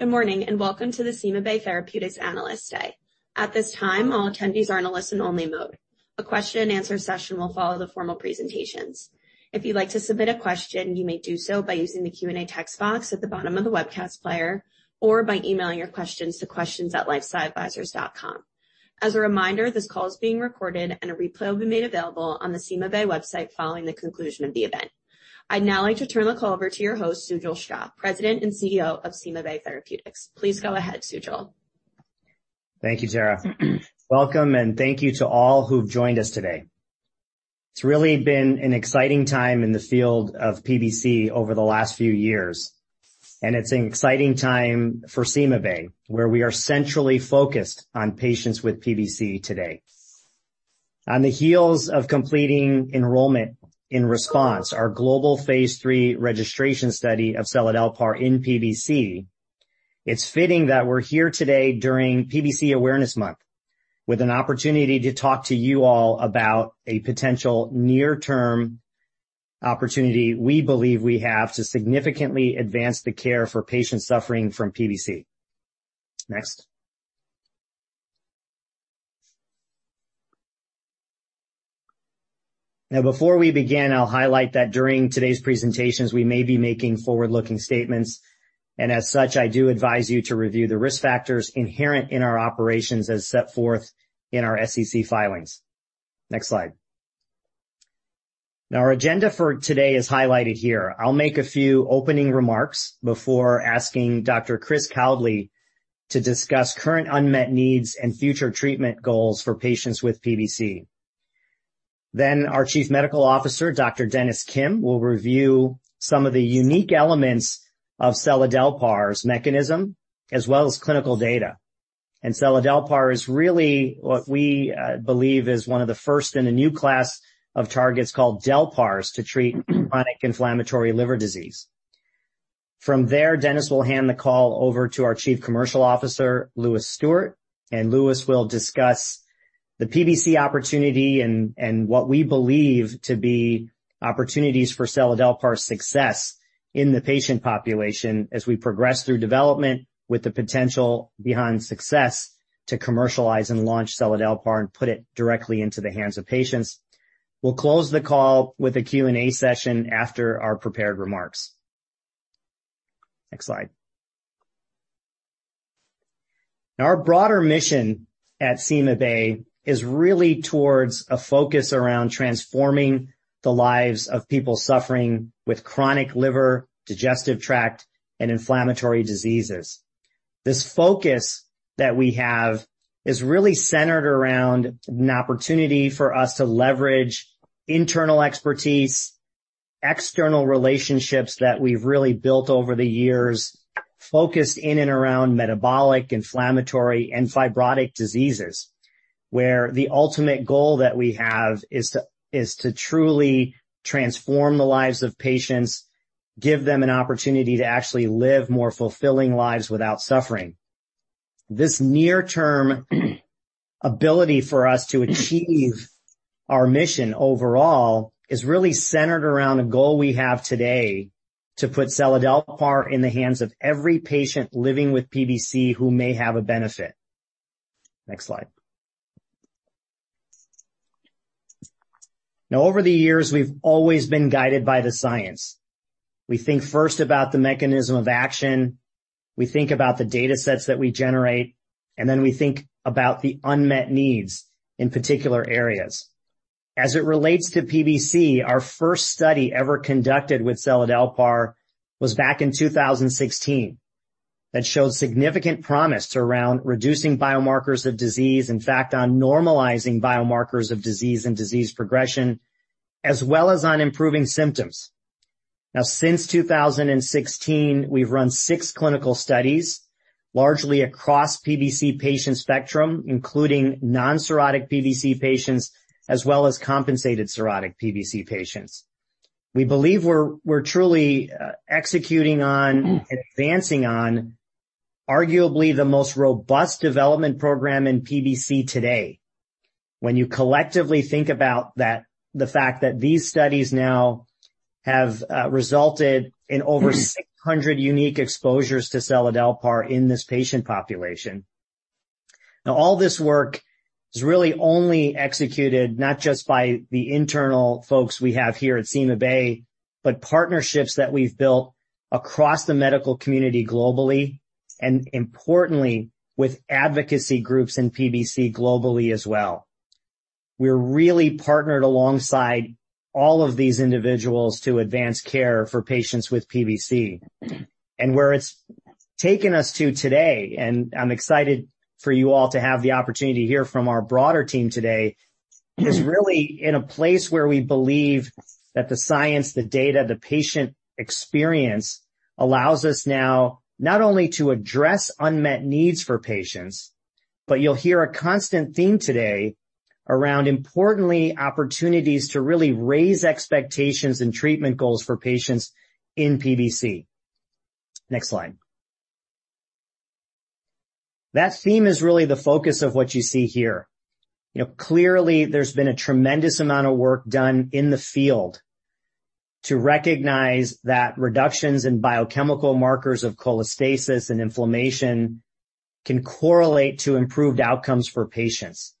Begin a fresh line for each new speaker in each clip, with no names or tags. Good morning, and welcome to the CymaBay Therapeutics Analyst Day. At this time, all attendees are in a listen-only mode. A question and answer session will follow the formal presentations. If you'd like to submit a question, you may do so by using the Q&A text box at the bottom of the webcast player, or by emailing your questions to questions@lifesciadvisors.com. As a reminder, this call is being recorded and a replay will be made available on the CymaBay website following the conclusion of the event. I'd now like to turn the call over to your host, Sujal Shah, President and CEO of CymaBay Therapeutics. Please go ahead, Sujal.
Thank you, Tara. Welcome and thank you to all who've joined us today. It's really been an exciting time in the field of PBC over the last few years, and it's an exciting time for CymaBay, where we are centrally focused on patients with PBC today. On the heels of completing enrollment in RESPONSE, our global phase III registration study of seladelpar in PBC, it's fitting that we're here today during PBC Awareness Month with an opportunity to talk to you all about a potential near-term opportunity we believe we have to significantly advance the care for patients suffering from PBC. Next. Now, before we begin, I'll highlight that during today's presentations, we may be making forward-looking statements, and as such, I do advise you to review the risk factors inherent in our operations as set forth in our SEC filings. Next slide. Now, our agenda for today is highlighted here. I'll make a few opening remarks before asking Dr. Kris Kowdley to discuss current unmet needs and future treatment goals for patients with PBC. Our Chief Medical Officer, Dr. Dennis Kim, will review some of the unique elements of seladelpar's mechanism, as well as clinical data. Seladelpar is really what we believe is one of the first in a new class of targets called delpars to treat chronic inflammatory liver disease. From there, Dennis will hand the call over to our Chief Commercial Officer, Lewis Stuart, and Lewis will discuss the PBC opportunity and what we believe to be opportunities for seladelpar's success in the patient population as we progress through development with the potential behind success to commercialize and launch seladelpar and put it directly into the hands of patients. We'll close the call with a Q&A session after our prepared remarks. Next slide. Now, our broader mission at CymaBay is really towards a focus around transforming the lives of people suffering with chronic liver, digestive tract, and inflammatory diseases. This focus that we have is really centered around an opportunity for us to leverage internal expertise, external relationships that we've really built over the years, focused in and around metabolic, inflammatory, and fibrotic diseases, where the ultimate goal that we have is to truly transform the lives of patients, give them an opportunity to actually live more fulfilling lives without suffering. This near-term ability for us to achieve our mission overall is really centered around a goal we have today to put seladelpar in the hands of every patient living with PBC who may have a benefit. Next slide. Now, over the years, we've always been guided by the science. We think first about the mechanism of action, we think about the datasets that we generate, and then we think about the unmet needs in particular areas. As it relates to PBC, our first study ever conducted with seladelpar was back in 2016. That showed significant promise around reducing biomarkers of disease. In fact, on normalizing biomarkers of disease and disease progression, as well as on improving symptoms. Now, since 2016, we've run six clinical studies, largely across PBC patient spectrum, including non-cirrhotic PBC patients, as well as compensated cirrhotic PBC patients. We believe we're truly executing on and advancing on arguably the most robust development program in PBC today. When you collectively think about that, the fact that these studies now have resulted in over 600 unique exposures to seladelpar in this patient population. Now, all this work is really only executed not just by the internal folks we have here at CymaBay, but partnerships that we've built across the medical community globally, and importantly, with advocacy groups in PBC globally as well. We're really partnered alongside all of these individuals to advance care for patients with PBC. Where it's taken us to today, and I'm excited for you all to have the opportunity to hear from our broader team today, is really in a place where we believe that the science, the data, the patient experience allows us now not only to address unmet needs for patients, but you'll hear a constant theme today around, importantly, opportunities to really raise expectations and treatment goals for patients in PBC. Next slide. That theme is really the focus of what you see here. You know, clearly there's been a tremendous amount of work done in the field to recognize that reductions in biochemical markers of cholestasis and inflammation can correlate to improved outcomes for patients.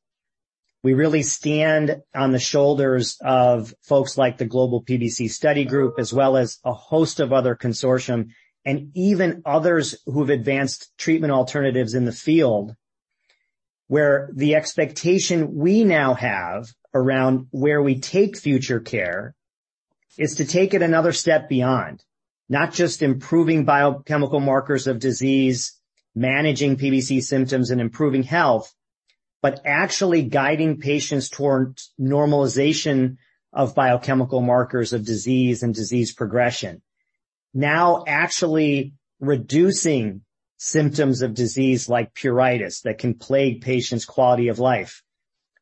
We really stand on the shoulders of folks like the Global PBC Study Group, as well as a host of other consortium and even others who have advanced treatment alternatives in the field. Where the expectation we now have around where we take future care is to take it another step beyond. Not just improving biochemical markers of disease, managing PBC symptoms, and improving health, but actually guiding patients towards normalization of biochemical markers of disease and disease progression. Now, actually reducing symptoms of disease like pruritus that can plague patients' quality of life.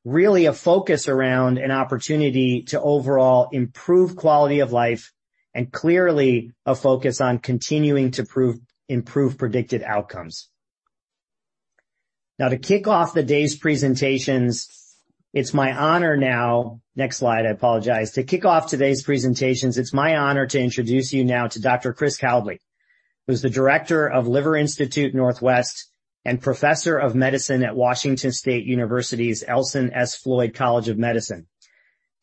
Really a focus around an opportunity to overall improve quality of life and clearly a focus on continuing to prove improve predicted outcomes. To kick off today's presentations, it's my honor to introduce you now to Dr. Kris Kowdley, who's the Director of Liver Institute Northwest and Professor of Medicine at Washington State University's Elson S. Floyd College of Medicine.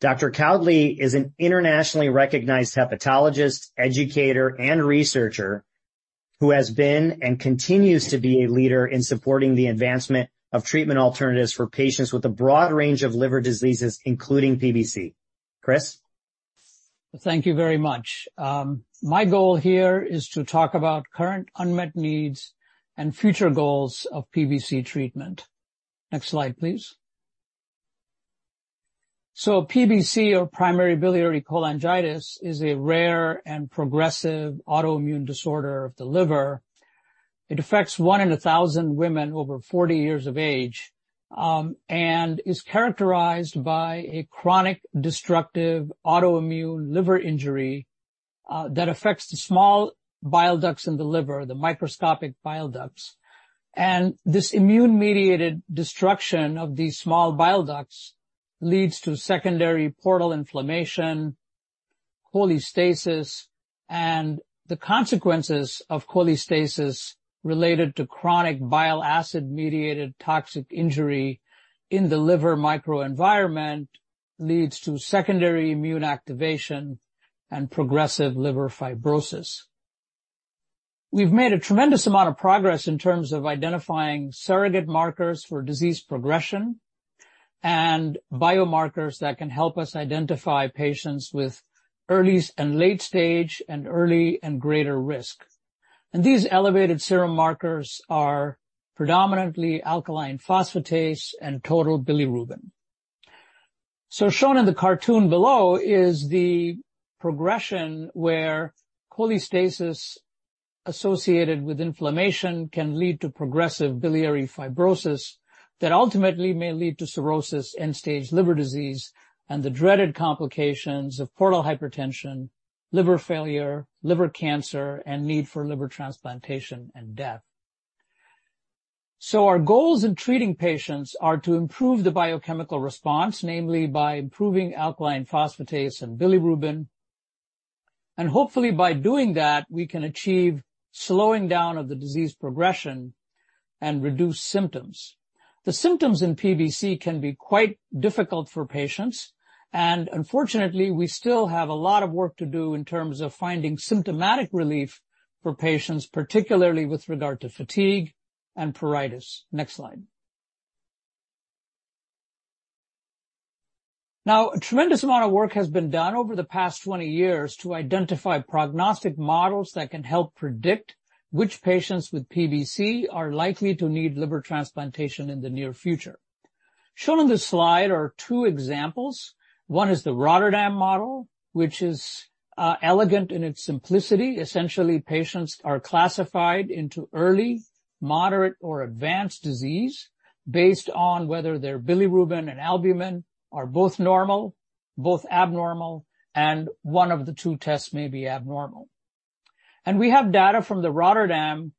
Dr. Kowdley is an internationally recognized hepatologist, educator, and researcher who has been and continues to be a leader in supporting the advancement of treatment alternatives for patients with a broad range of liver diseases, including PBC. Kris.
Thank you very much. My goal here is to talk about current unmet needs and future goals of PBC treatment. Next slide, please. PBC, or primary biliary cholangitis, is a rare and progressive autoimmune disorder of the liver. It affects one in a thousand women over 40 years of age, and is characterized by a chronic, destructive autoimmune liver injury, that affects the small bile ducts in the liver, the microscopic bile ducts. This immune-mediated destruction of these small bile ducts leads to secondary portal inflammation, cholestasis, and the consequences of cholestasis related to chronic bile acid-mediated toxic injury in the liver microenvironment leads to secondary immune activation and progressive liver fibrosis. We've made a tremendous amount of progress in terms of identifying surrogate markers for disease progression and biomarkers that can help us identify patients with early and late stage and early and greater risk. These elevated serum markers are predominantly alkaline phosphatase and total bilirubin. Shown in the cartoon below is the progression where cholestasis associated with inflammation can lead to progressive biliary fibrosis that ultimately may lead to cirrhosis, end-stage liver disease, and the dreaded complications of portal hypertension, liver failure, liver cancer, and need for liver transplantation and death. Our goals in treating patients are to improve the biochemical response, namely by improving alkaline phosphatase and bilirubin. Hopefully by doing that, we can achieve slowing down of the disease progression and reduce symptoms. The symptoms in PBC can be quite difficult for patients, and unfortunately, we still have a lot of work to do in terms of finding symptomatic relief for patients, particularly with regard to fatigue and pruritus. Next slide. Now, a tremendous amount of work has been done over the past 20 years to identify prognostic models that can help predict which patients with PBC are likely to need liver transplantation in the near future. Shown on this slide are two examples. One is the Rotterdam model, which is elegant in its simplicity. Essentially, patients are classified into early, moderate, or advanced disease based on whether their bilirubin and albumin are both normal, both abnormal, and one of the two tests may be abnormal. We have data from the Rotterdam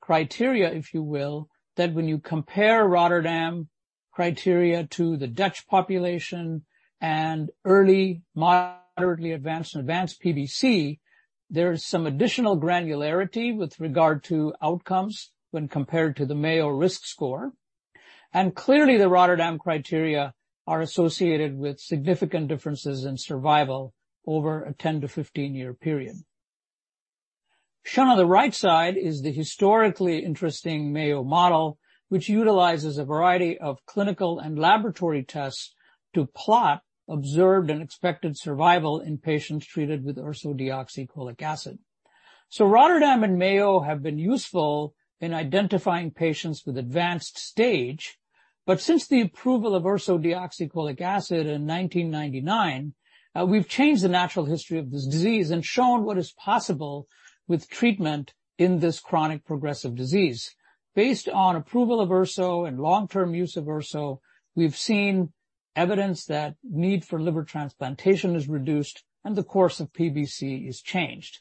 criteria, if you will, that when you compare Rotterdam criteria to the Dutch population and early, moderately advanced, and advanced PBC, there is some additional granularity with regard to outcomes when compared to the Mayo Risk Score. Clearly, the Rotterdam criteria are associated with significant differences in survival over a 10-15 year period. Shown on the right side is the historically interesting Mayo model, which utilizes a variety of clinical and laboratory tests to plot observed and expected survival in patients treated with ursodeoxycholic acid. Rotterdam and Mayo have been useful in identifying patients with advanced stage. Since the approval of ursodeoxycholic acid in 1999, we've changed the natural history of this disease and shown what is possible with treatment in this chronic progressive disease. Based on approval of urso and long-term use of urso, we've seen evidence that need for liver transplantation is reduced and the course of PBC is changed.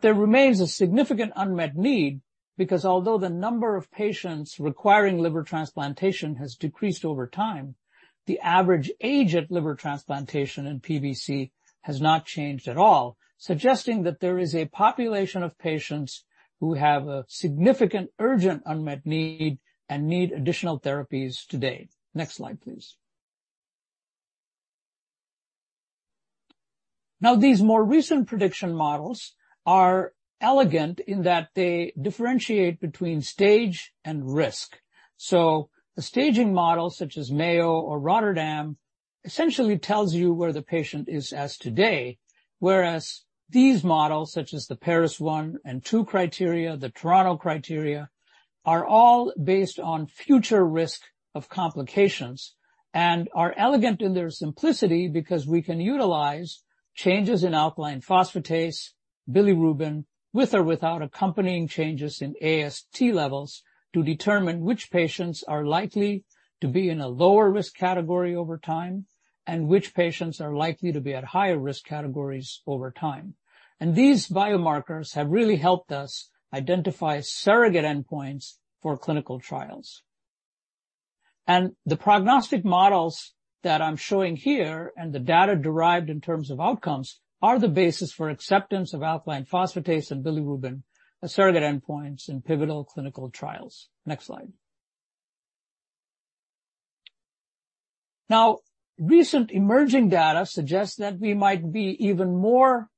There remains a significant unmet need because although the number of patients requiring liver transplantation has decreased over time, the average age at liver transplantation in PBC has not changed at all, suggesting that there is a population of patients who have a significant urgent unmet need and need additional therapies today. Next slide, please. Now, these more recent prediction models are elegant in that they differentiate between stage and risk. The staging models such as Mayo or Rotterdam essentially tells you where the patient is as today, whereas these models, such as the Paris I and II criteria, the Toronto criteria, are all based on future risk of complications and are elegant in their simplicity because we can utilize changes in alkaline phosphatase, bilirubin, with or without accompanying changes in AST levels to determine which patients are likely to be in a lower risk category over time, and which patients are likely to be at higher risk categories over time. These biomarkers have really helped us identify surrogate endpoints for clinical trials. The prognostic models that I'm showing here and the data derived in terms of outcomes are the basis for acceptance of alkaline phosphatase and bilirubin as surrogate endpoints in pivotal clinical trials. Next slide. Now, recent emerging data suggests that we might be even more,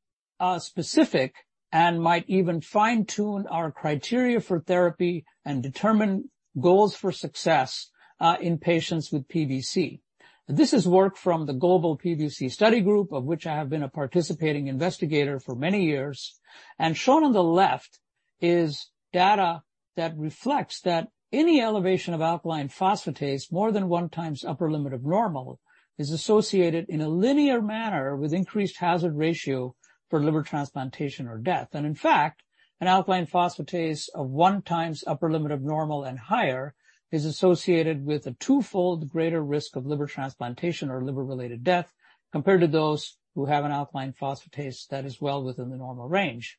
specific and might even fine-tune our criteria for therapy and determine goals for success, in patients with PBC. This is work from the Global PBC Study Group, of which I have been a participating investigator for many years. Shown on the left is data that reflects that any elevation of alkaline phosphatase more than 1x upper limit of normal is associated in a linear manner with increased hazard ratio for liver transplantation or death. In fact, an alkaline phosphatase of one times upper limit of normal and higher is associated with a twofold greater risk of liver transplantation or liver-related death compared to those who have an alkaline phosphatase that is well within the normal range.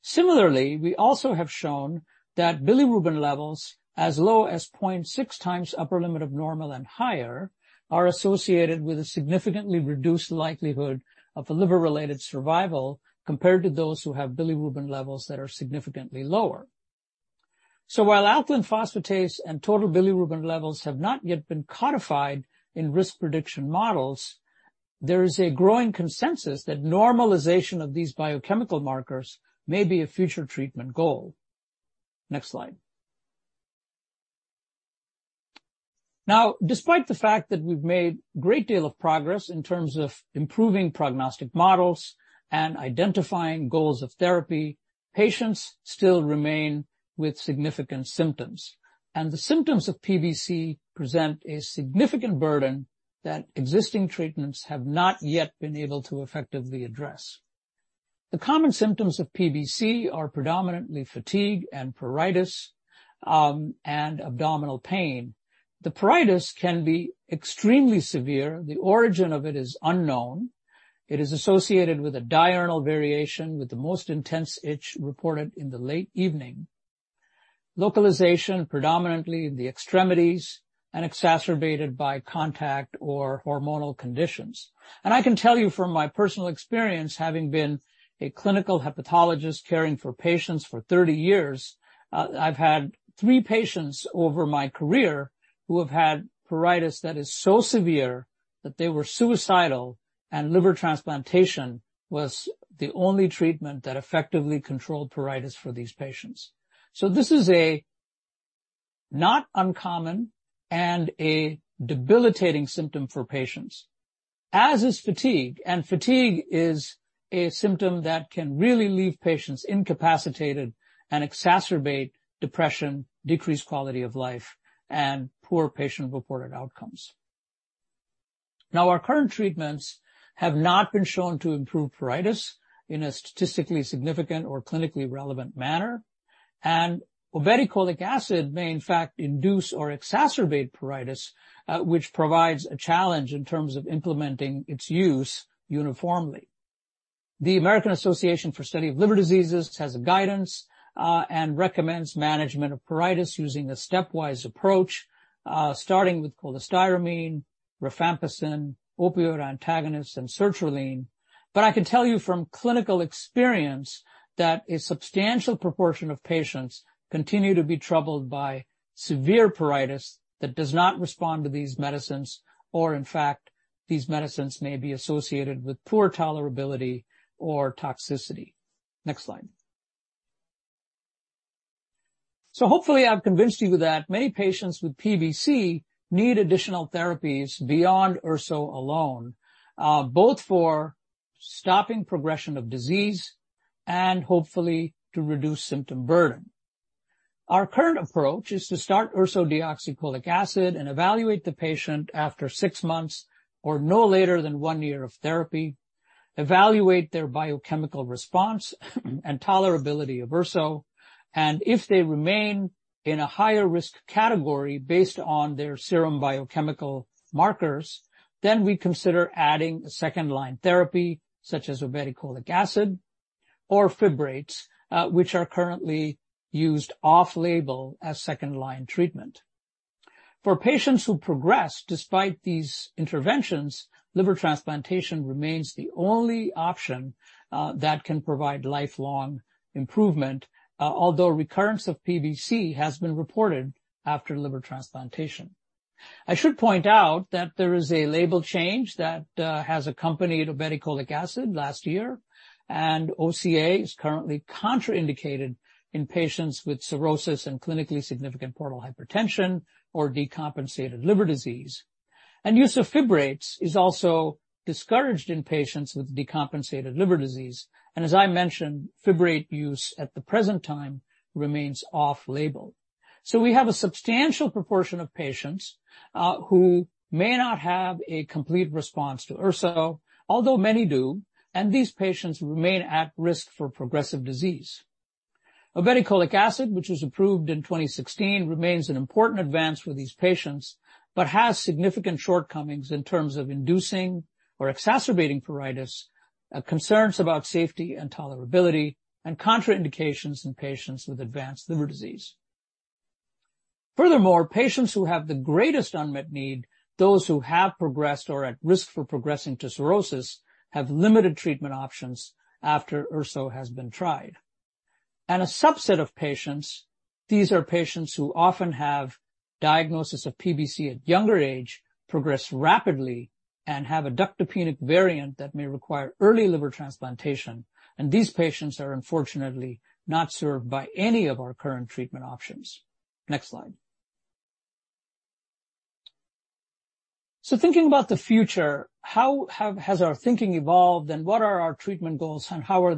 Similarly, we also have shown that bilirubin levels as low as 0.6x upper limit of normal and higher are associated with a significantly reduced likelihood of a liver-related survival compared to those who have bilirubin levels that are significantly lower. While alkaline phosphatase and total bilirubin levels have not yet been codified in risk prediction models, there is a growing consensus that normalization of these biochemical markers may be a future treatment goal. Next slide. Now, despite the fact that we've made great deal of progress in terms of improving prognostic models and identifying goals of therapy, patients still remain with significant symptoms, and the symptoms of PBC present a significant burden that existing treatments have not yet been able to effectively address. The common symptoms of PBC are predominantly fatigue and pruritus, and abdominal pain. The pruritus can be extremely severe. The origin of it is unknown. It is associated with a diurnal variation, with the most intense itch reported in the late evening. Localization predominantly in the extremities and exacerbated by contact or hormonal conditions. I can tell you from my personal experience, having been a clinical hepatologist caring for patients for 30 years, I've had three patients over my career who have had pruritus that is so severe that they were suicidal, and liver transplantation was the only treatment that effectively controlled pruritus for these patients. This is a not uncommon and a debilitating symptom for patients, as is fatigue. Fatigue is a symptom that can really leave patients incapacitated and exacerbate depression, decreased quality of life, and poor patient-reported outcomes. Now, our current treatments have not been shown to improve pruritus in a statistically significant or clinically relevant manner. Obeticholic acid may in fact induce or exacerbate pruritus, which provides a challenge in terms of implementing its use uniformly. The American Association for the Study of Liver Diseases has a guidance, and recommends management of pruritus using a stepwise approach, starting with cholestyramine, rifampicin, opioid antagonists, and sertraline. I can tell you from clinical experience that a substantial proportion of patients continue to be troubled by severe pruritus that does not respond to these medicines, or in fact, these medicines may be associated with poor tolerability or toxicity. Next slide. Hopefully, I've convinced you that many patients with PBC need additional therapies beyond urso alone, both for stopping progression of disease and hopefully to reduce symptom burden. Our current approach is to start ursodeoxycholic acid and evaluate the patient after six months or no later than one year of therapy, evaluate their biochemical response and tolerability of urso, and if they remain in a higher risk category based on their serum biochemical markers, then we consider adding a second-line therapy such as obeticholic acid. Or fibrates, which are currently used off-label as second-line treatment. For patients who progress despite these interventions, liver transplantation remains the only option that can provide lifelong improvement, although recurrence of PBC has been reported after liver transplantation. I should point out that there is a label change that has accompanied obeticholic acid last year, and OCA is currently contraindicated in patients with cirrhosis and clinically significant portal hypertension or decompensated liver disease. Use of fibrates is also discouraged in patients with decompensated liver disease. As I mentioned, fibrate use at the present time remains off-label. We have a substantial proportion of patients who may not have a complete response to urso, although many do, and these patients remain at risk for progressive disease. Obeticholic acid, which was approved in 2016, remains an important advance for these patients but has significant shortcomings in terms of inducing or exacerbating pruritus, concerns about safety and tolerability, and contraindications in patients with advanced liver disease. Furthermore, patients who have the greatest unmet need, those who have progressed or are at risk for progressing to cirrhosis, have limited treatment options after urso has been tried. A subset of patients, these are patients who often have diagnosis of PBC at younger age, progress rapidly, and have a ductopenic variant that may require early liver transplantation. These patients are unfortunately not served by any of our current treatment options. Next slide. Thinking about the future, how has our thinking evolved, and what are our treatment goals, and how are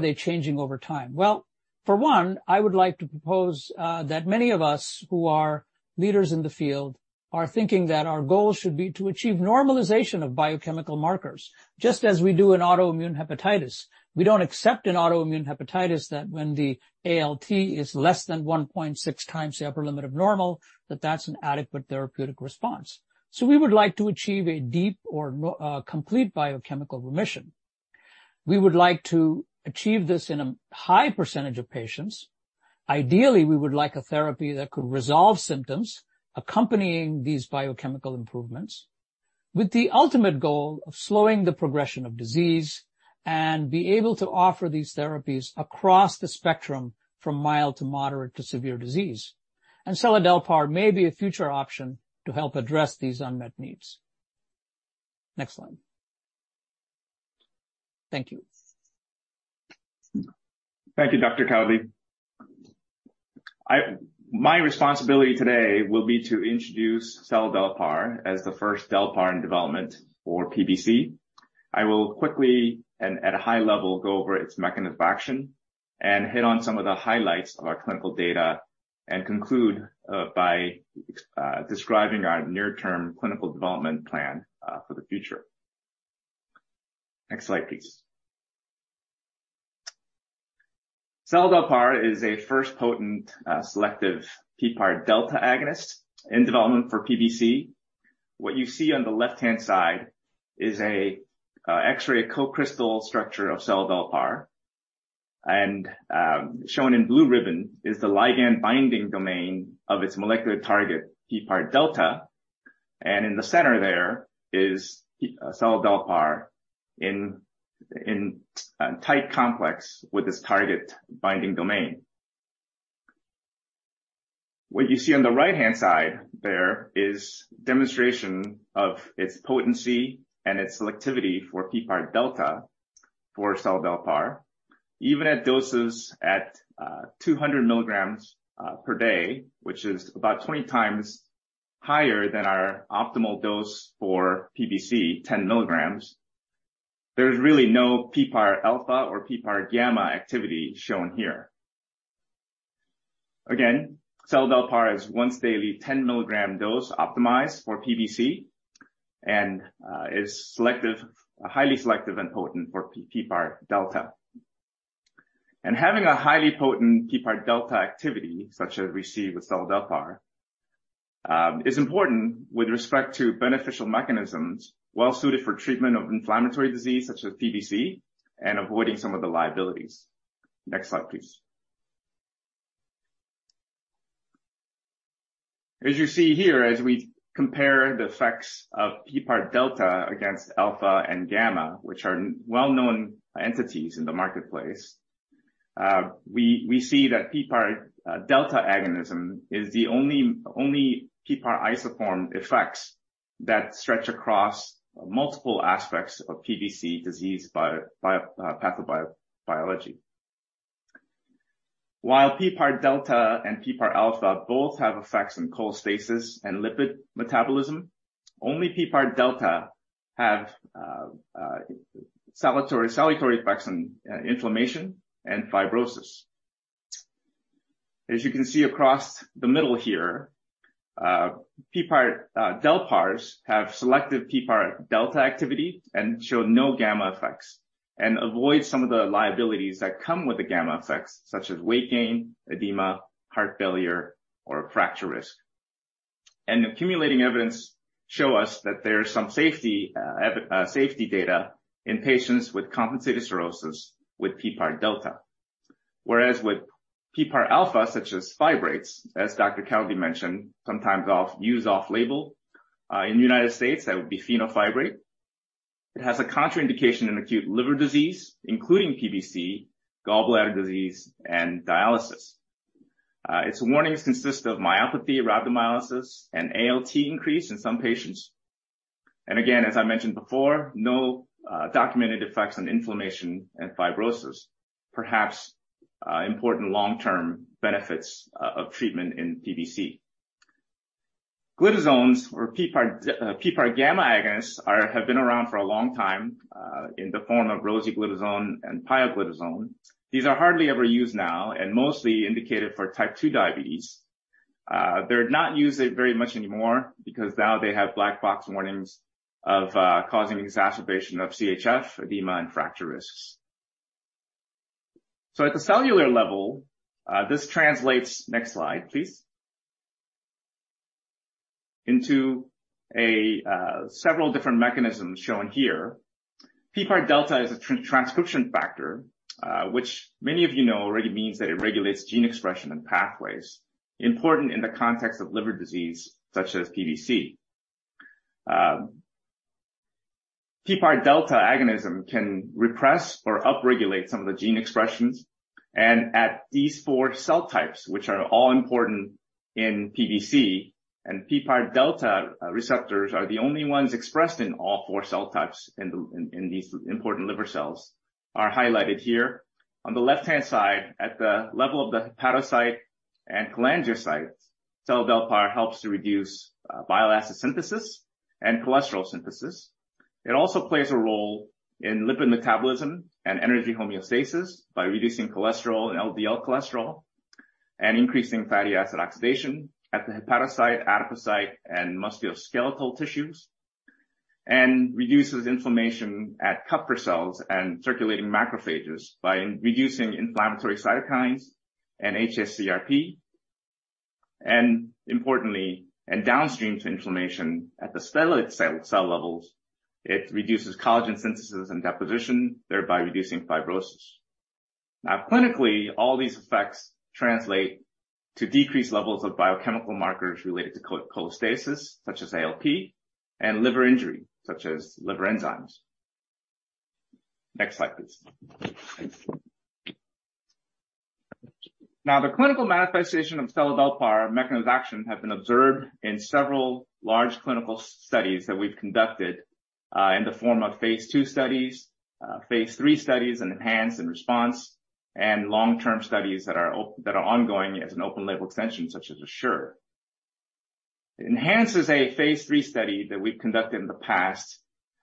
they changing over time? Well, for one, I would like to propose that many of us who are leaders in the field are thinking that our goal should be to achieve normalization of biochemical markers, just as we do in autoimmune hepatitis. We don't accept in autoimmune hepatitis that when the ALT is less than 1.6x the upper limit of normal, that that's an adequate therapeutic response. We would like to achieve a deep or complete biochemical remission. We would like to achieve this in a high percentage of patients. Ideally, we would like a therapy that could resolve symptoms accompanying these biochemical improvements, with the ultimate goal of slowing the progression of disease and be able to offer these therapies across the spectrum from mild to moderate to severe disease. Seladelpar may be a future option to help address these unmet needs. Next slide. Thank you.
Thank you, Dr. Kowdley. My responsibility today will be to introduce seladelpar as the first delpar in development or PBC. I will quickly and at a high level go over its mechanism of action and hit on some of the highlights of our clinical data and conclude by describing our near-term clinical development plan for the future. Next slide, please. Seladelpar is a first potent selective PPAR-delta agonist in development for PBC. What you see on the left-hand side is a X-ray co-crystal structure of seladelpar. Shown in blue ribbon is the ligand binding domain of its molecular target, PPAR-delta. In the center there is seladelpar in a tight complex with its target binding domain. What you see on the right-hand side there is demonstration of its potency and its selectivity for PPAR-delta for seladelpar. Even at doses of 200 mg per day, which is about 20x higher than our optimal dose for PBC, 10 mg, there's really no PPAR-alpha or PPAR gamma activity shown here. Again, seladelpar is once daily 10-mg dose optimized for PBC and is selective, highly selective and potent for PPAR-delta. Having a highly potent PPAR-delta activity, such as we see with seladelpar, is important with respect to beneficial mechanisms well suited for treatment of inflammatory disease such as PBC and avoiding some of the liabilities. Next slide, please. As you see here, as we compare the effects of PPAR-delta against alpha and gamma, which are well-known entities in the marketplace, we see that PPAR-delta agonism is the only PPAR isoform effects that stretch across multiple aspects of PBC disease biology. While PPAR-delta and PPAR-alpha both have effects on cholestasis and lipid metabolism, only PPAR-delta have salutary effects on inflammation and fibrosis. As you can see across the middle here, PPAR delpars have selective PPAR-delta activity and show no gamma effects and avoid some of the liabilities that come with the gamma effects, such as weight gain, edema, heart failure, or fracture risk. Accumulating evidence show us that there's some safety data in patients with compensated cirrhosis with PPAR-delta. Whereas with PPAR-alpha, such as fibrates, as Dr. Kowdley mentioned, sometimes off-label, used off-label in the United States, that would be fenofibrate. It has a contraindication in acute liver disease, including PBC, gallbladder disease, and dialysis. Its warnings consist of myopathy, rhabdomyolysis, and ALT increase in some patients. Again, as I mentioned before, no documented effects on inflammation and fibrosis. Perhaps important long-term benefits of treatment in PBC. Glitazones or PPAR gamma agonists have been around for a long time in the form of rosiglitazone and pioglitazone. These are hardly ever used now and mostly indicated for type 2 diabetes. They're not used very much anymore because now they have black box warnings of causing exacerbation of CHF, edema, and fracture risks. At the cellular level, this translates. Next slide, please. Into several different mechanisms shown here. PPAR-delta is a transcription factor, which many of you know already means that it regulates gene expression and pathways important in the context of liver disease such as PBC. PPAR-delta agonism can repress or upregulate some of the gene expressions and at these four cell types, which are all important in PBC and PPAR-delta receptors are the only ones expressed in all four cell types in these important liver cells, are highlighted here. On the left-hand side, at the level of the hepatocyte and cholangiocyte, seladelpar helps to reduce bile acid synthesis and cholesterol synthesis. It also plays a role in lipid metabolism and energy homeostasis by reducing cholesterol and LDL cholesterol and increasing fatty acid oxidation at the hepatocyte, adipocyte, and musculoskeletal tissues. Reduces inflammation at Kupffer cells and circulating macrophages by reducing inflammatory cytokines and hsCRP. Importantly, and downstream to inflammation at the stellate cell levels, it reduces collagen synthesis and deposition, thereby reducing fibrosis. Now, clinically, all these effects translate to decreased levels of biochemical markers related to cholestasis, such as ALP, and liver injury, such as liver enzymes. Next slide, please. Thank you. Now, the clinical manifestation of seladelpar mechanism of action have been observed in several large clinical studies that we've conducted, in the form of phase II studies, phase III studies in ENHANCE and RESPONSE, and long-term studies that are ongoing as an open label extension, such as ASSURE. ENHANCE is a phase III study that we've conducted in the past,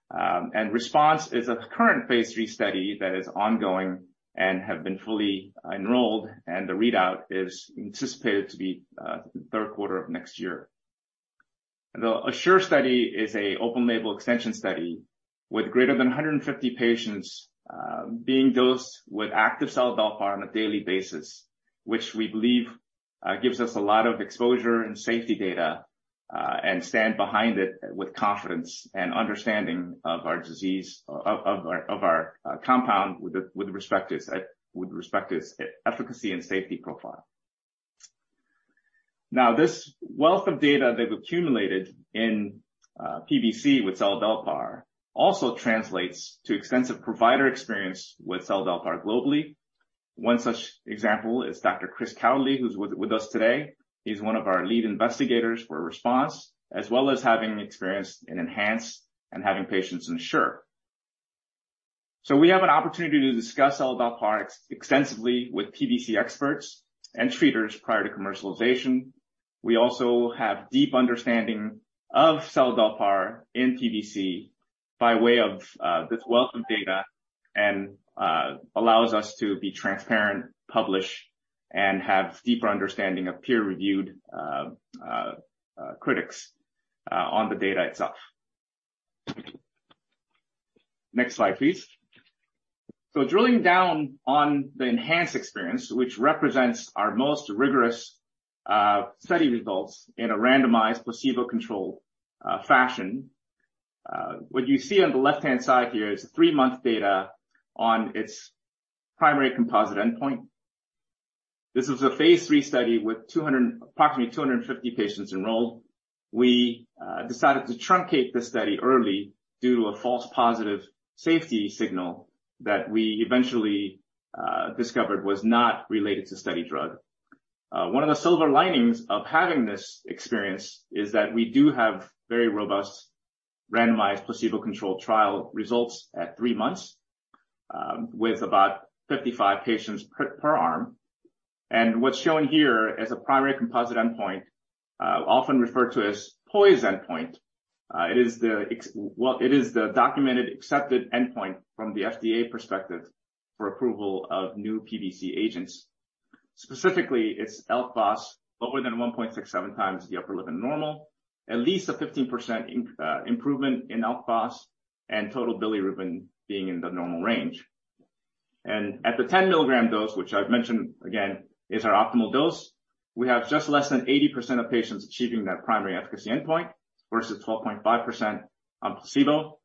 and RESPONSE is a current phase III study that is ongoing and have been fully enrolled, and the readout is anticipated to be the third quarter of next year. The ASSURE study is an open-label extension study with greater than 150 patients being dosed with active seladelpar on a daily basis, which we believe gives us a lot of exposure and safety data, and stand behind it with confidence and understanding of our disease, of our compound with respect to its efficacy and safety profile. Now, this wealth of data that we've accumulated in PBC with seladelpar also translates to extensive provider experience with seladelpar globally. One such example is Dr. Kris Kowdley, who's with us today. He's one of our lead investigators for RESPONSE, as well as having experience in ENHANCE and having patients in ASSURE. We have an opportunity to discuss seladelpar extensively with PBC experts and treaters prior to commercialization. We also have deep understanding of seladelpar in PBC by way of this wealth of data and allows us to be transparent, publish, and have deeper understanding of peer-reviewed critics on the data itself. Next slide, please. Drilling down on the ENHANCE experience, which represents our most rigorous study results in a randomized placebo-controlled fashion. What you see on the left-hand side here is the three-month data on its primary composite endpoint. This is a phase III study with approximately 250 patients enrolled. We decided to truncate the study early due to a false positive safety signal that we eventually discovered was not related to study drug. One of the silver linings of having this experience is that we do have very robust randomized placebo-controlled trial results at three months with about 55 patients per arm. What's shown here is a primary composite endpoint, often referred to as POISE endpoint. Well, it is the documented accepted endpoint from the FDA perspective for approval of new PBC agents. Specifically, it's al phos, but more than 1.67x the upper limit normal. At least a 15% improvement in al phos and total bilirubin being in the normal range. At the 10-mg dose, which I've mentioned again is our optimal dose, we have just less than 80% of patients achieving that primary efficacy endpoint versus 12.5% on placebo.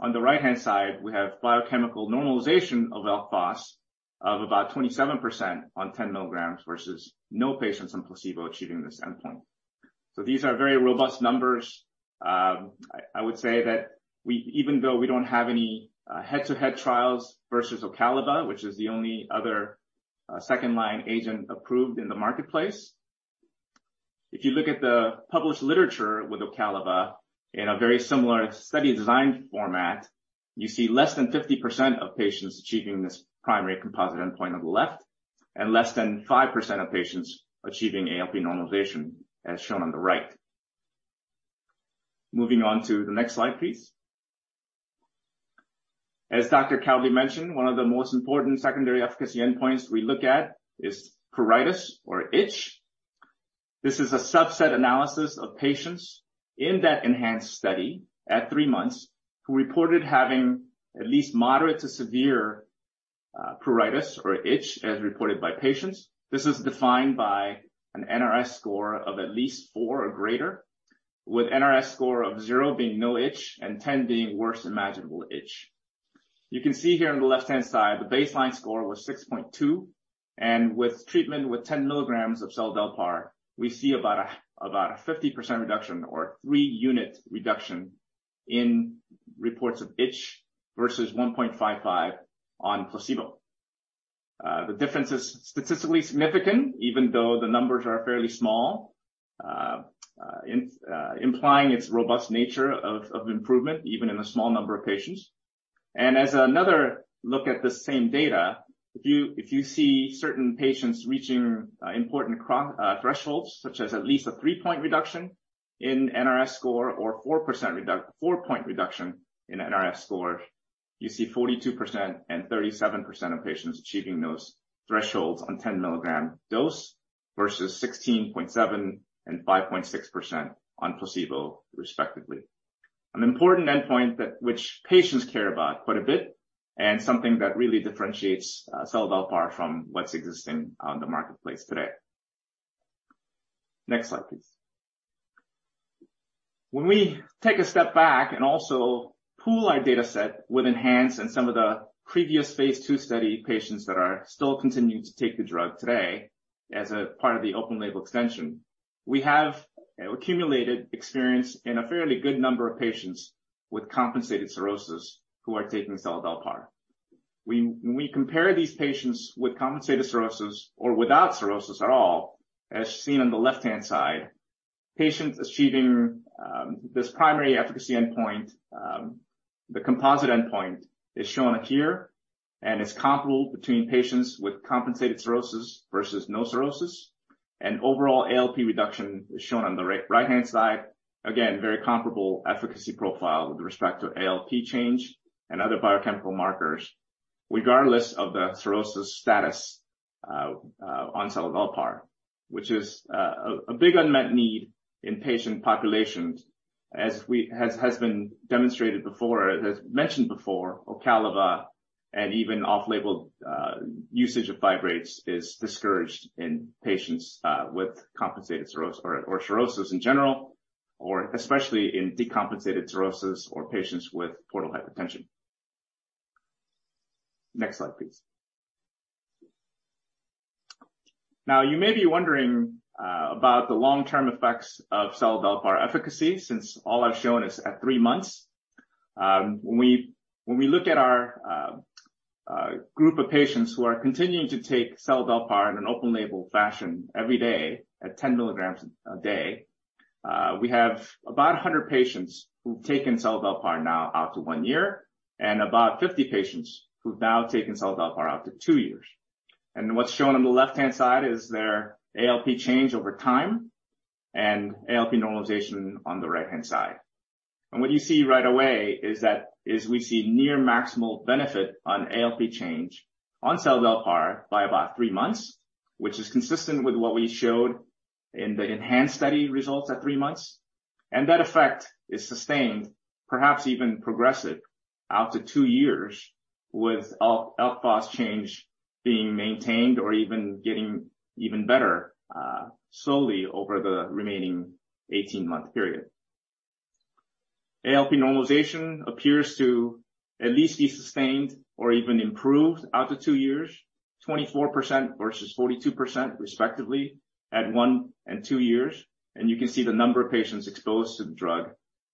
On the right-hand side, we have biochemical normalization of al phos of about 27% on 10 mg versus no patients on placebo achieving this endpoint. These are very robust numbers. I would say that even though we don't have any head-to-head trials versus Ocaliva, which is the only other second-line agent approved in the marketplace. If you look at the published literature with Ocaliva in a very similar study design format, you see less than 50% of patients achieving this primary composite endpoint on the left and less than 5% of patients achieving ALP normalization, as shown on the right. Moving on to the next slide, please. As Dr. Kowdley mentioned, one of the most important secondary efficacy endpoints we look at is pruritus or itch. This is a subset analysis of patients in that ENHANCE study at three months who reported having at least moderate to severe pruritus or itch as reported by patients. This is defined by an NRS score of at least 4 or greater, with NRS score of 0 being no itch and 10 being worst imaginable itch. You can see here on the left-hand side, the baseline score was 6.2, and with treatment with 10 mg of seladelpar, we see about a 50% reduction or three-unit reduction in reports of itch versus 1.55 on placebo. The difference is statistically significant even though the numbers are fairly small, implying its robust nature of improvement even in a small number of patients. As another look at the same data, if you see certain patients reaching important thresholds, such as at least a three-point reduction in NRS score or four-point reduction in NRS score, you see 42% and 37% of patients achieving those thresholds on 10-mg dose versus 16.7% and 5.6% on placebo, respectively. An important endpoint that which patients care about quite a bit and something that really differentiates seladelpar from what's existing on the marketplace today. Next slide, please. When we take a step back and also pool our dataset with ENHANCE and some of the previous phase II study patients that are still continuing to take the drug today as a part of the open-label extension, we have accumulated experience in a fairly good number of patients with compensated cirrhosis who are taking seladelpar. When we compare these patients with compensated cirrhosis or without cirrhosis at all, as seen on the left-hand side, patients achieving this primary efficacy endpoint, the composite endpoint is shown here, and it's comparable between patients with compensated cirrhosis versus no cirrhosis. Overall ALP reduction is shown on the right-hand side. Again, very comparable efficacy profile with respect to ALP change and other biochemical markers regardless of the cirrhosis status on seladelpar, which is a big unmet need in patient populations. As has been demonstrated before, as mentioned before, Ocaliva and even off-label usage of fibrates is discouraged in patients with compensated cirrhosis, or cirrhosis in general or especially in decompensated cirrhosis or patients with portal hypertension. Next slide, please. Now you may be wondering about the long-term effects of seladelpar efficacy since all I've shown is at three months. When we look at our group of patients who are continuing to take seladelpar in an open-label fashion every day at 1 mg a day, we have about 100 patients who've taken seladelpar now out to one year and about 50 patients who've now taken seladelpar out to two years. What's shown on the left-hand side is their ALP change over time and ALP normalization on the right-hand side. What you see right away is that as we see near maximal benefit on ALP change on seladelpar by about three months, which is consistent with what we showed in the ENHANCE study results at three months. That effect is sustained, perhaps even progressive out to two years with al phos change being maintained or even getting even better, slowly over the remaining 18-month period. ALP normalization appears to at least be sustained or even improved out to two years, 24% versus 42% respectively at one and two years. You can see the number of patients exposed to the drug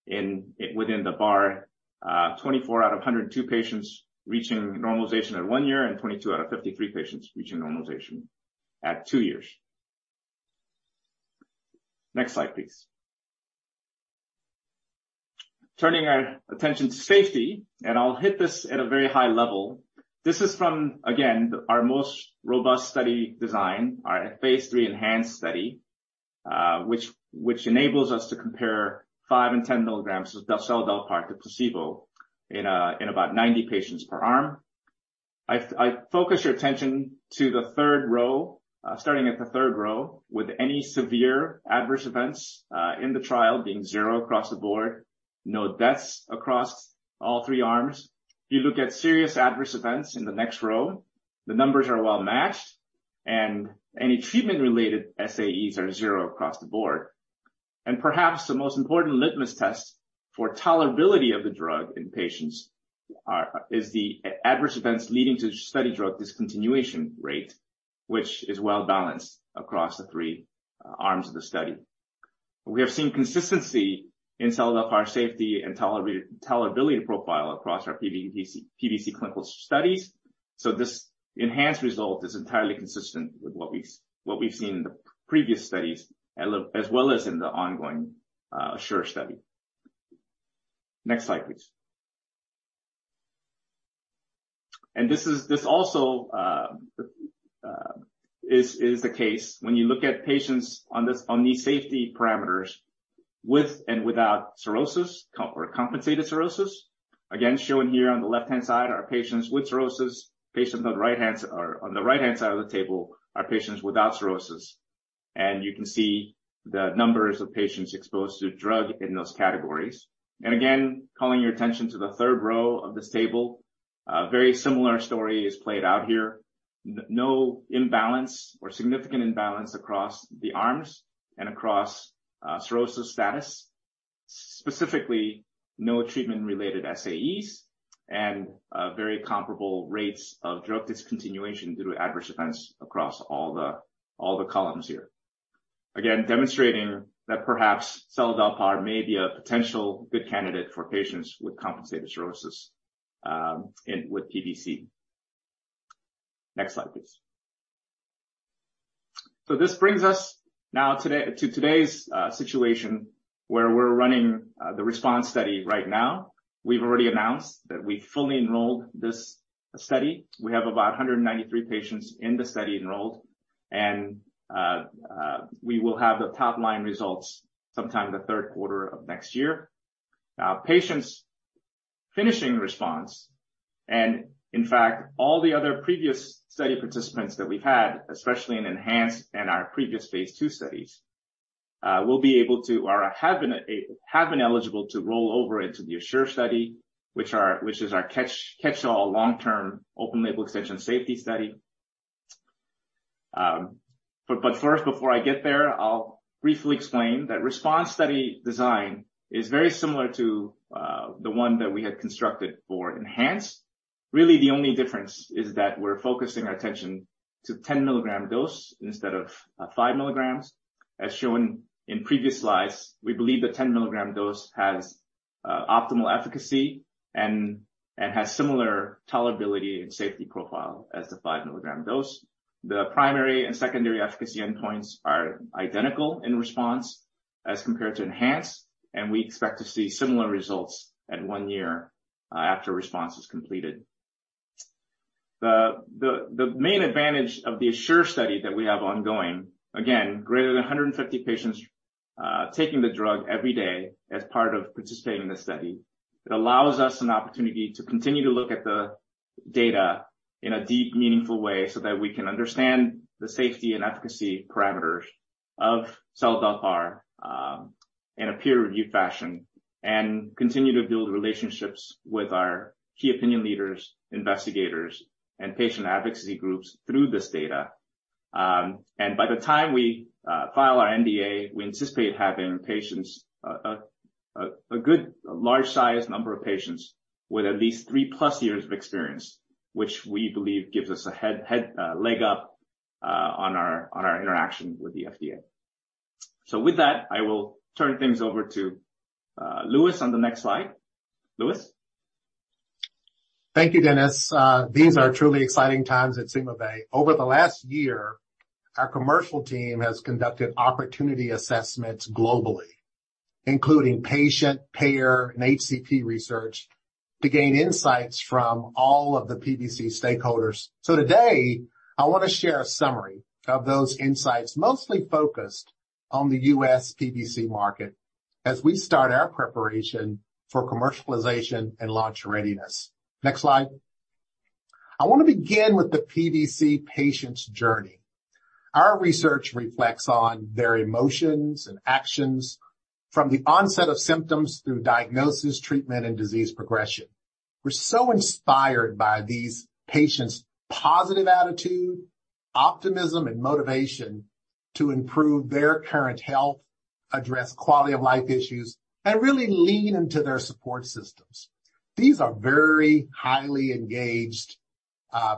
within the bar, 24 out of 102 patients reaching normalization at one year and 22 out of 53 patients reaching normalization at two years. Next slide, please. Turning our attention to safety, and I'll hit this at a very high level. This is from, again, our most robust study design, our phase III ENHANCE study, which enables us to compare 5 mg and 10 mg of seladelpar to placebo in about 90 patients per arm. I focus your attention to the third row, starting at the third row with any severe adverse events in the trial being zero across the board. No deaths across all three arms. If you look at serious adverse events in the next row, the numbers are well-matched and any treatment-related SAEs are zero across the board. Perhaps the most important litmus test for tolerability of the drug in patients is the adverse events leading to study drug discontinuation rate, which is well-balanced across the three arms of the study. We have seen consistency in seladelpar safety and tolerability profile across our PBC clinical studies. This enhanced result is entirely consistent with what we've seen in the previous studies as well as in the ongoing ASSURE study. Next slide, please. This also is the case when you look at patients on these safety parameters with and without cirrhosis or compensated cirrhosis. Again, shown here on the left-hand side are patients with cirrhosis. Patients on the right-hand or on the right-hand side of the table are patients without cirrhosis. You can see the numbers of patients exposed to drug in those categories. Again, calling your attention to the third row of this table. A very similar story is played out here. No imbalance or significant imbalance across the arms and across cirrhosis status. Specifically, no treatment-related SAEs and very comparable rates of drug discontinuation due to adverse events across all the columns here. Again, demonstrating that perhaps seladelpar may be a potential good candidate for patients with compensated cirrhosis and with PBC. Next slide, please. This brings us now today to today's situation where we're running the RESPONSE study right now. We've already announced that we fully enrolled this study. We have about 193 patients in the study enrolled. We will have the top-line results sometime in the third quarter of next year. Now, patients finishing RESPONSE, and in fact, all the other previous study participants that we've had, especially in ENHANCE and our previous phase II studies, will be able to or have been eligible to roll over into the ASSURE study, which is our catch-all long-term open label extension safety study. First, before I get there, I'll briefly explain that RESPONSE study design is very similar to the one that we had constructed for ENHANCE. Really, the only difference is that we're focusing our attention to 10-mg dose instead of 5 mg. As shown in previous slides, we believe the 10-mg dose has optimal efficacy and has similar tolerability and safety profile as the 5-mg dose. The primary and secondary efficacy endpoints are identical in RESPONSE as compared to ENHANCE, and we expect to see similar results at one year after RESPONSE is completed. The main advantage of the ASSURE study that we have ongoing, again, greater than 150 patients taking the drug every day as part of participating in this study. It allows us an opportunity to continue to look at the data in a deep, meaningful way so that we can understand the safety and efficacy parameters of seladelpar in a peer-reviewed fashion. Continue to build relationships with our key opinion leaders, investigators, and patient advocacy groups through this data. By the time we file our NDA, we anticipate having a good large-sized number of patients with at least 3+ years of experience, which we believe gives us a leg up on our interaction with the FDA. With that, I will turn things over to Lewis on the next slide. Lewis.
Thank you, Dennis. These are truly exciting times at CymaBay. Over the last year, our commercial team has conducted opportunity assessments globally, including patient, payer, and HCP research to gain insights from all of the PBC stakeholders. Today, I wanna share a summary of those insights, mostly focused on the U.S. PBC market as we start our preparation for commercialization and launch readiness. Next slide. I wanna begin with the PBC patient's journey. Our research reflects on their emotions and actions from the onset of symptoms through diagnosis, treatment, and disease progression. We're so inspired by these patients' positive attitude, optimism, and motivation to improve their current health, address quality of life issues, and really lean into their support systems. These are very highly engaged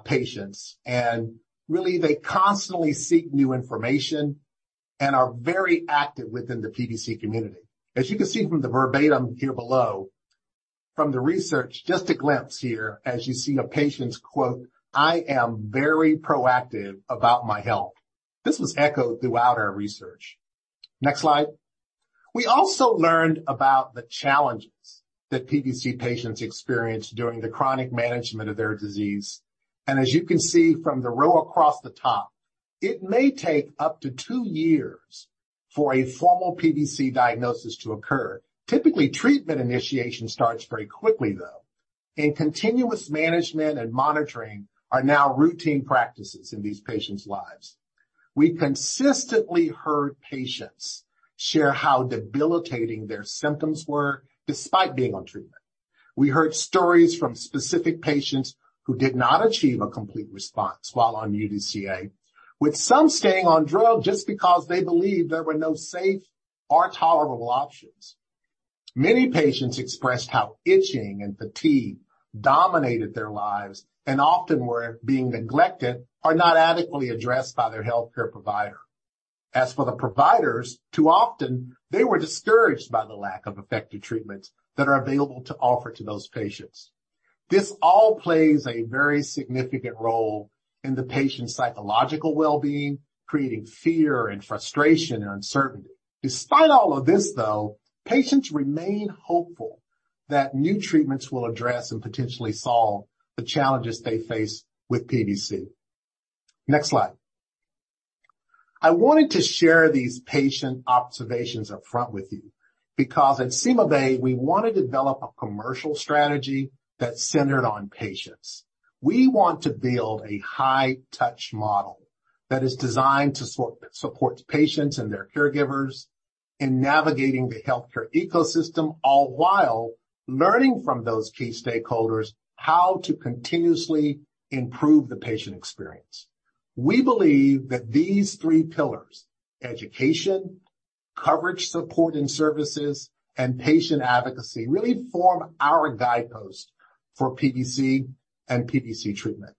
patients, and really they constantly seek new information and are very active within the PBC community. As you can see from the verbatim here below, from the research, just a glimpse here as you see a patient's quote, "I am very proactive about my health." This was echoed throughout our research. Next slide. We also learned about the challenges that PBC patients experience during the chronic management of their disease. As you can see from the row across the top. It may take up to two years for a formal PBC diagnosis to occur. Typically, treatment initiation starts very quickly, though, and continuous management and monitoring are now routine practices in these patients' lives. We consistently heard patients share how debilitating their symptoms were despite being on treatment. We heard stories from specific patients who did not achieve a complete response while on UDCA, with some staying on drug just because they believed there were no safe or tolerable options. Many patients expressed how itching and fatigue dominated their lives and often were being neglected or not adequately addressed by their healthcare provider. As for the providers, too often they were discouraged by the lack of effective treatments that are available to offer to those patients. This all plays a very significant role in the patient's psychological well-being, creating fear and frustration and uncertainty. Despite all of this, though, patients remain hopeful that new treatments will address and potentially solve the challenges they face with PBC. Next slide. I wanted to share these patient observations upfront with you because at CymaBay, we want to develop a commercial strategy that's centered on patients. We want to build a high-touch model that is designed to support patients and their caregivers in navigating the healthcare ecosystem, all while learning from those key stakeholders how to continuously improve the patient experience. We believe that these three pillars, education, coverage support and services, and patient advocacy, really form our guidepost for PBC and PBC treatment.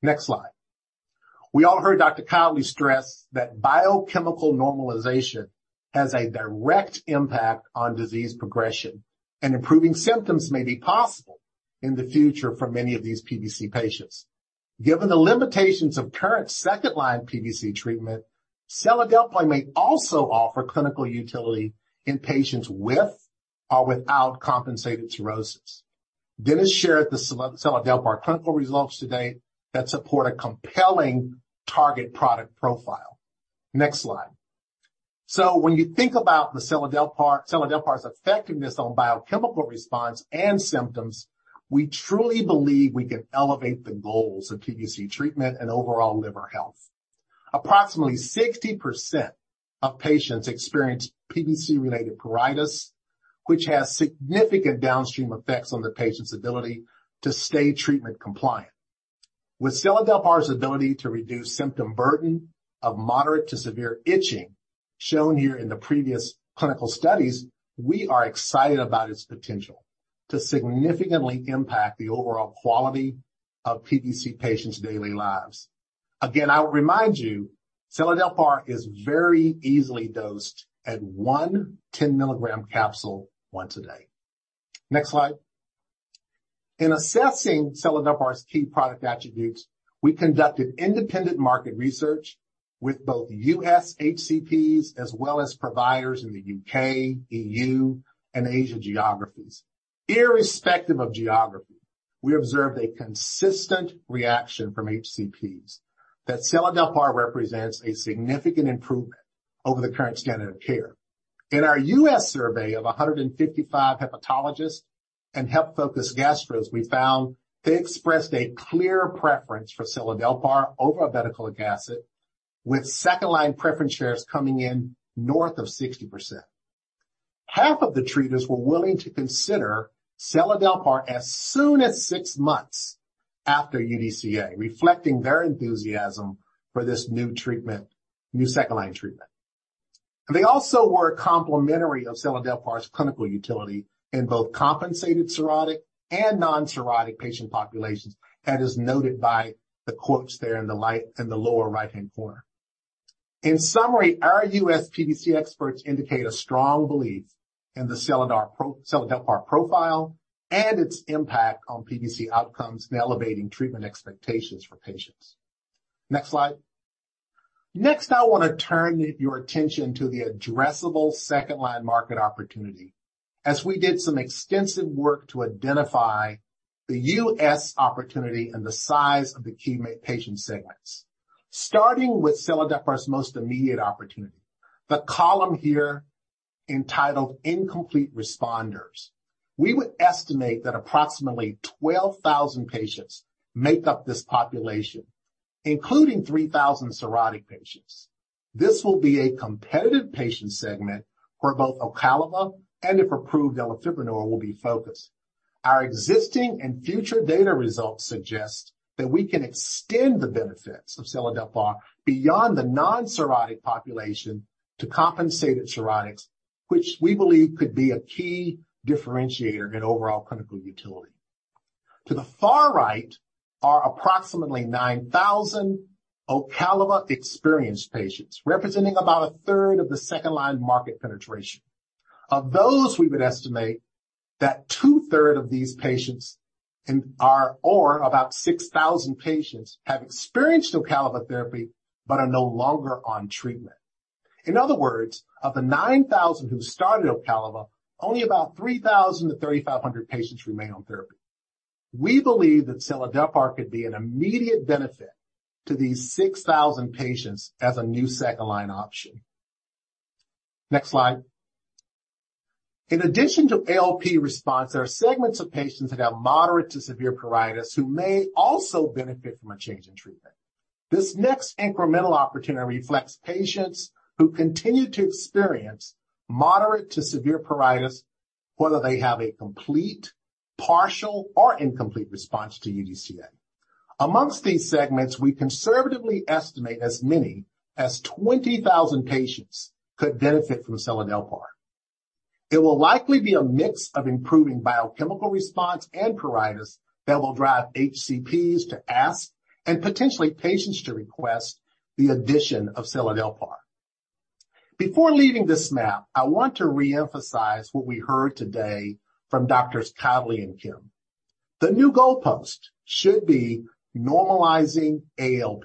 Next slide. We all heard Dr. Kowdley stress that biochemical normalization has a direct impact on disease progression, and improving symptoms may be possible in the future for many of these PBC patients. Given the limitations of current second-line PBC treatment, seladelpar may also offer clinical utility in patients with or without compensated cirrhosis. Dennis shared the seladelpar clinical results to date that support a compelling target product profile. Next slide. When you think about the seladelpar's effectiveness on biochemical response and symptoms, we truly believe we can elevate the goals of PBC treatment and overall liver health. Approximately 60% of patients experience PBC-related pruritus, which has significant downstream effects on the patient's ability to stay treatment compliant. With seladelpar's ability to reduce symptom burden of moderate to severe itching, shown here in the previous clinical studies, we are excited about its potential to significantly impact the overall quality of PBC patients' daily lives. Again, I'll remind you, seladelpar is very easily dosed at one 10-mg capsule once a day. Next slide. In assessing seladelpar's key product attributes, we conducted independent market research with both U.S. HCPs as well as providers in the U.K., EU, and Asia geographies. Irrespective of geography, we observed a consistent reaction from HCPs that seladelpar represents a significant improvement over the current standard of care. In our U.S. survey of 155 hepatologists and health-focused gastros, we found they expressed a clear preference for seladelpar over ursodeoxycholic acid, with second-line preference shares coming in north of 60%. Half of the treaters were willing to consider seladelpar as soon as six months after UDCA, reflecting their enthusiasm for this new treatment, new second-line treatment. They also were complimentary of seladelpar's clinical utility in both compensated cirrhotic and non-cirrhotic patient populations, as is noted by the quotes there in the right, in the lower right-hand corner. In summary, our U.S. PBC experts indicate a strong belief in the seladelpar profile and its impact on PBC outcomes in elevating treatment expectations for patients. Next slide. Next, I want to turn your attention to the addressable second-line market opportunity as we did some extensive work to identify the U.S. opportunity and the size of the key patient segments. Starting with seladelpar's most immediate opportunity, the column here entitled Incomplete Responders, we would estimate that approximately 12,000 patients make up this population, including 3,000 cirrhotic patients. This will be a competitive patient segment where both Ocaliva and, if approved, elafibranor, will be focused. Our existing and future data results suggest that we can extend the benefits of seladelpar beyond the non-cirrhotic population to compensated cirrhotics, which we believe could be a key differentiator in overall clinical utility. To the far right are approximately 9,000 Ocaliva-experienced patients, representing about a third of the second-line market penetration. Of those, we would estimate that two-thirds of these patients, or about 6,000 patients, have experienced Ocaliva therapy but are no longer on treatment. In other words, of the 9,000 who started Ocaliva, only about 3,000-3,500 patients remain on therapy. We believe that seladelpar could be an immediate benefit to these 6,000 patients as a new second-line option. Next slide. In addition to ALP response, there are segments of patients that have moderate to severe pruritus who may also benefit from a change in treatment. This next incremental opportunity reflects patients who continue to experience moderate to severe pruritus, whether they have a complete, partial, or incomplete response to UDCA. Amongst these segments, we conservatively estimate as many as 20,000 patients could benefit from seladelpar. It will likely be a mix of improving biochemical response and pruritus that will drive HCPs to ask, and potentially patients to request, the addition of seladelpar. Before leaving this map, I want to re-emphasize what we heard today from Doctors Kowdley and Kim. The new goalpost should be normalizing ALP.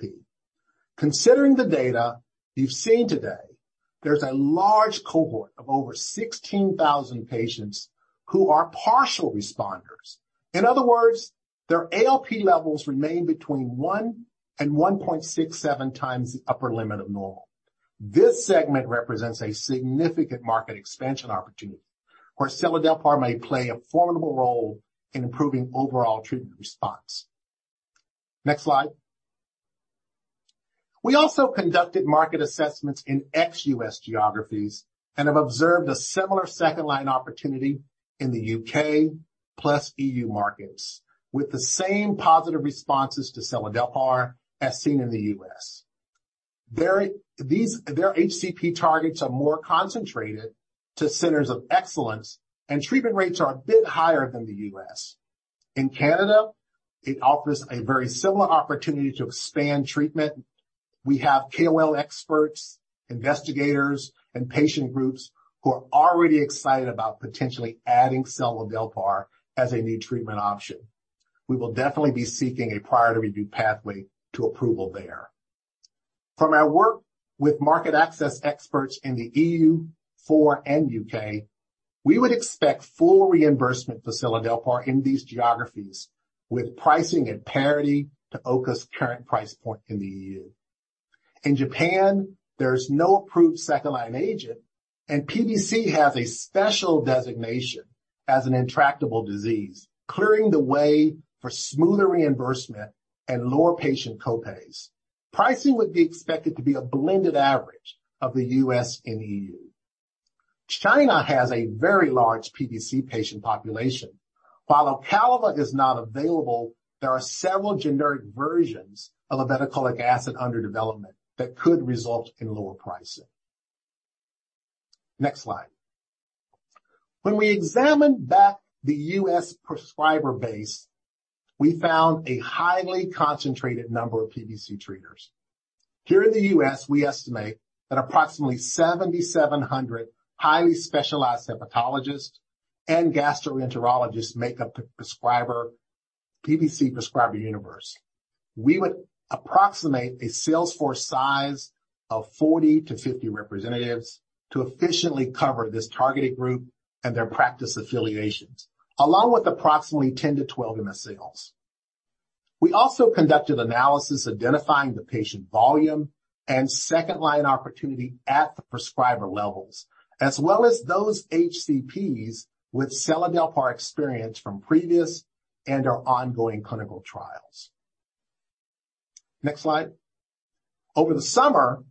Considering the data you've seen today, there's a large cohort of over 16,000 patients who are partial responders. In other words, their ALP levels remain between 1 and 1.67 times the upper limit of normal. This segment represents a significant market expansion opportunity where seladelpar may play a formidable role in improving overall treatment response. Next slide. We also conducted market assessments in ex-U.S. geographies and have observed a similar second-line opportunity in the UK plus EU markets with the same positive responses to seladelpar as seen in the U.S. Their HCP targets are more concentrated to centers of excellence and treatment rates are a bit higher than the U.S. In Canada, it offers a very similar opportunity to expand treatment. We have KOL experts, investigators, and patient groups who are already excited about potentially adding seladelpar as a new treatment option. We will definitely be seeking a priority review pathway to approval there. From our work with market access experts in the EU4 and U.K., we would expect full reimbursement for seladelpar in these geographies with pricing and parity to Ocaliva's current price point in the EU. In Japan, there's no approved second-line agent, and PBC has a special designation as an intractable disease, clearing the way for smoother reimbursement and lower patient co-pays. Pricing would be expected to be a blended average of the U.S. and EU. China has a very large PBC patient population. While Ocaliva is not available, there are several generic versions of obeticholic acid under development that could result in lower pricing. Next slide. When we examined the U.S. prescriber base, we found a highly concentrated number of PBC treaters. Here in the U.S., we estimate that approximately 7,700 highly specialized hepatologists and gastroenterologists make up the PBC prescriber universe. We would approximate a sales force size of 40-50 representatives to efficiently cover this targeted group and their practice affiliations, along with approximately 10-12 MSLs. We also conducted analysis identifying the patient volume and second-line opportunity at the prescriber levels, as well as those HCPs with seladelpar experience from previous and/or ongoing clinical trials. Next slide. Over the summer,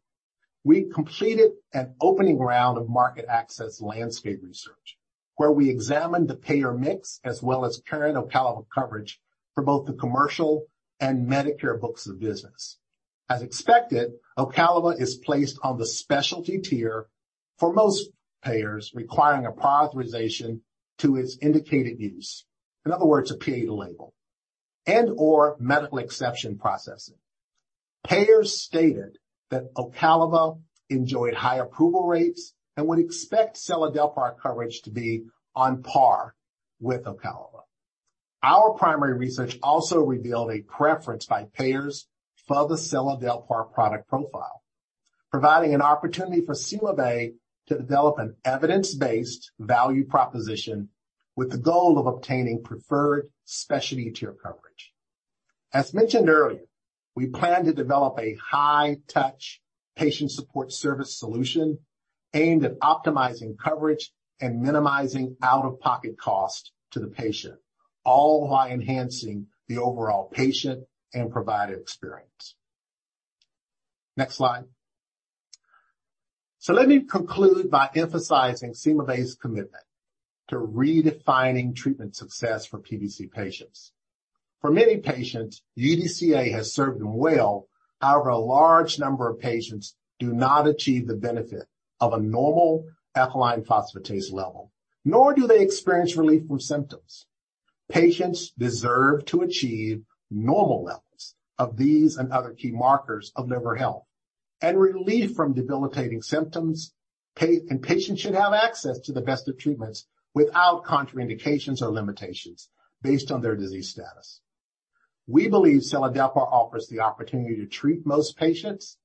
we completed an opening round of market access landscape research, where we examined the payer mix as well as current Ocaliva coverage for both the commercial and Medicare books of business. As expected, Ocaliva is placed on the specialty tier for most payers, requiring a prior authorization to its indicated use, in other words, a pay to label, and/or medical exception processing. Payers stated that Ocaliva enjoyed high approval rates and would expect seladelpar coverage to be on par with Ocaliva. Our primary research also revealed a preference by payers for the seladelpar product profile, providing an opportunity for CymaBay to develop an evidence-based value proposition with the goal of obtaining preferred specialty tier coverage. As mentioned earlier, we plan to develop a high-touch patient support service solution aimed at optimizing coverage and minimizing out-of-pocket cost to the patient, all while enhancing the overall patient and provider experience. Next slide. Let me conclude by emphasizing CymaBay's commitment to redefining treatment success for PBC patients. For many patients, UDCA has served them well. However, a large number of patients do not achieve the benefit of a normal alkaline phosphatase level, nor do they experience relief from symptoms. Patients deserve to achieve normal levels of these and other key markers of liver health and relief from debilitating symptoms. Patients should have access to the best of treatments without contraindications or limitations based on their disease status. We believe seladelpar offers the opportunity to treat most patients.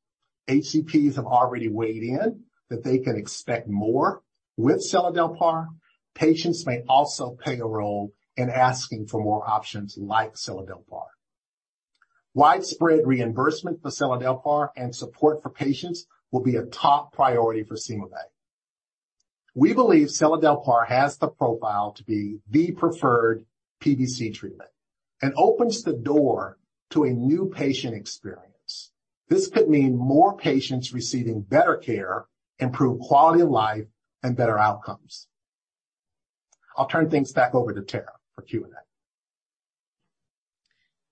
HCPs have already weighed in that they can expect more with seladelpar. Patients may also play a role in asking for more options like seladelpar. Widespread reimbursement for seladelpar and support for patients will be a top priority for CymaBay. We believe seladelpar has the profile to be the preferred PBC treatment and opens the door to a new patient experience. This could mean more patients receiving better care, improved quality of life, and better outcomes. I'll turn things back over to Tara for Q&A.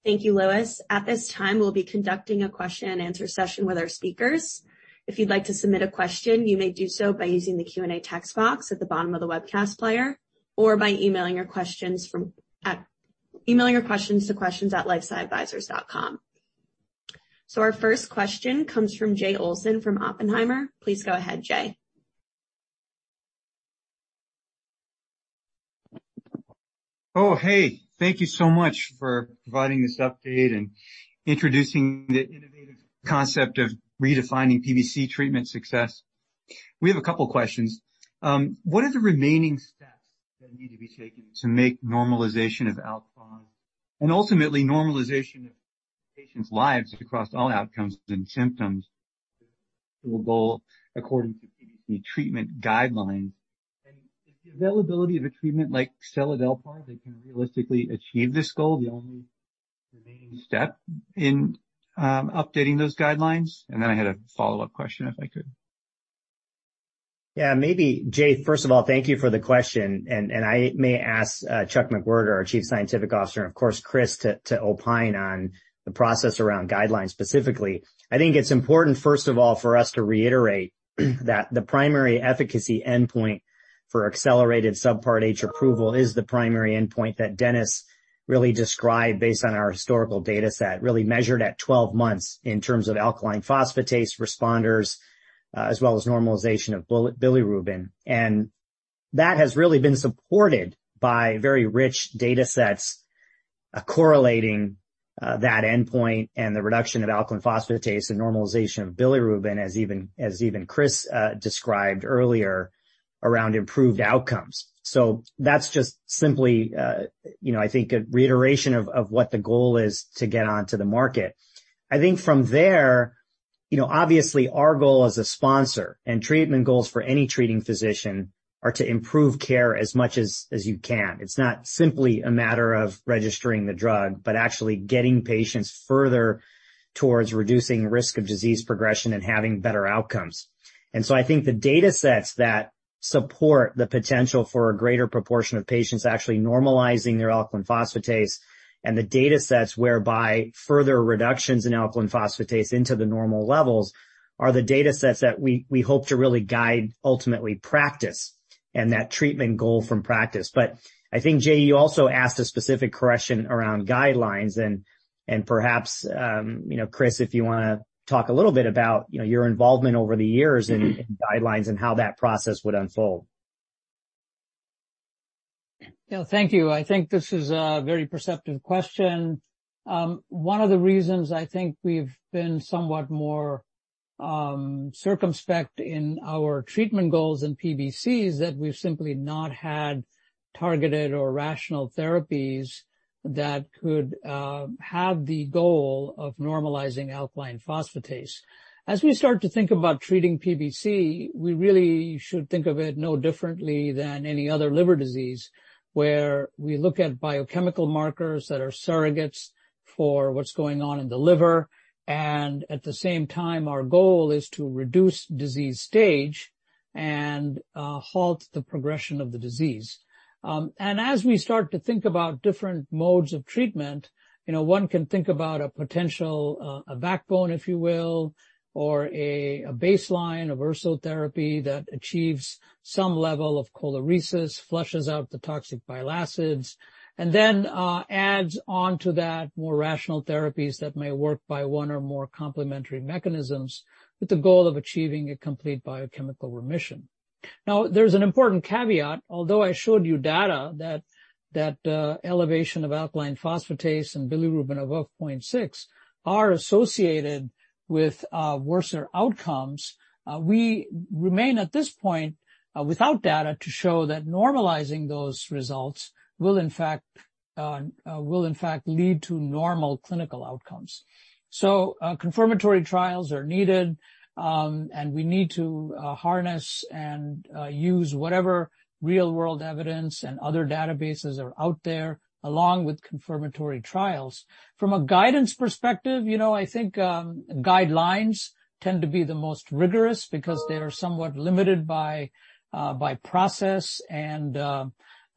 Thank you, Lewis. At this time, we'll be conducting a question and answer session with our speakers. If you'd like to submit a question, you may do so by using the Q&A text box at the bottom of the webcast player or by emailing your questions to questions@lifesciadvisors.com. Our first question comes from Jay Olson from Oppenheimer. Please go ahead, Jay.
Oh, hey, thank you so much for providing this update and introducing the innovative concept of redefining PBC treatment success. We have a couple of questions. What are the remaining steps that need to be taken to make normalization of al phos and ultimately normalization of patients' lives across all outcomes and symptoms the goal according to PBC treatment guidelines? Is the availability of a treatment like seladelpar that can realistically achieve this goal, the only remaining step in updating those guidelines? I had a follow-up question, if I could.
Yeah, maybe. Jay, first of all, thank you for the question. I may ask Chuck McWherter, our Chief Scientific Officer, and of course, Kris, to opine on the process around guidelines specifically. I think it's important, first of all, for us to reiterate that the primary efficacy endpoint for accelerated Subpart H approval is the primary endpoint that Dennis really described based on our historical dataset, really measured at 12 months in terms of alkaline phosphatase responders, as well as normalization of bilirubin. That has really been supported by very rich datasets correlating that endpoint and the reduction of alkaline phosphatase and normalization of bilirubin, as Kris described earlier around improved outcomes. That's just simply, you know, I think a reiteration of what the goal is to get onto the market. I think from there, you know, obviously our goal as a sponsor and treatment goals for any treating physician are to improve care as much as you can. It's not simply a matter of registering the drug, but actually getting patients further towards reducing risk of disease progression and having better outcomes. I think the datasets that support the potential for a greater proportion of patients actually normalizing their alkaline phosphatase and the datasets whereby further reductions in alkaline phosphatase into the normal levels are the datasets that we hope to really guide ultimately practice and that treatment goal from practice. I think, Jay, you also asked a specific question around guidelines and perhaps, you know, Kris, if you wanna talk a little bit about, you know, your involvement over the years in guidelines and how that process would unfold.
Yeah. Thank you. I think this is a very perceptive question. One of the reasons I think we've been somewhat more circumspect in our treatment goals in PBC is that we've simply not had targeted or rational therapies that could have the goal of normalizing alkaline phosphatase. As we start to think about treating PBC, we really should think of it no differently than any other liver disease, where we look at biochemical markers that are surrogates for what's going on in the liver. At the same time, our goal is to reduce disease stage and halt the progression of the disease. As we start to think about different modes of treatment, you know, one can think about a potential, a backbone, if you will, or a baseline of urso therapy that achieves some level of choleresis, flushes out the toxic bile acids, and then adds on to that more rational therapies that may work by one or more complementary mechanisms with the goal of achieving a complete biochemical remission. Now, there's an important caveat. Although I showed you data that elevation of alkaline phosphatase and bilirubin above 0.6x are associated with worse outcomes, we remain at this point without data to show that normalizing those results will in fact lead to normal clinical outcomes. Confirmatory trials are needed, and we need to harness and use whatever real-world evidence and other databases are out there, along with confirmatory trials. From a guidance perspective, you know, I think, guidelines tend to be the most rigorous because they are somewhat limited by process and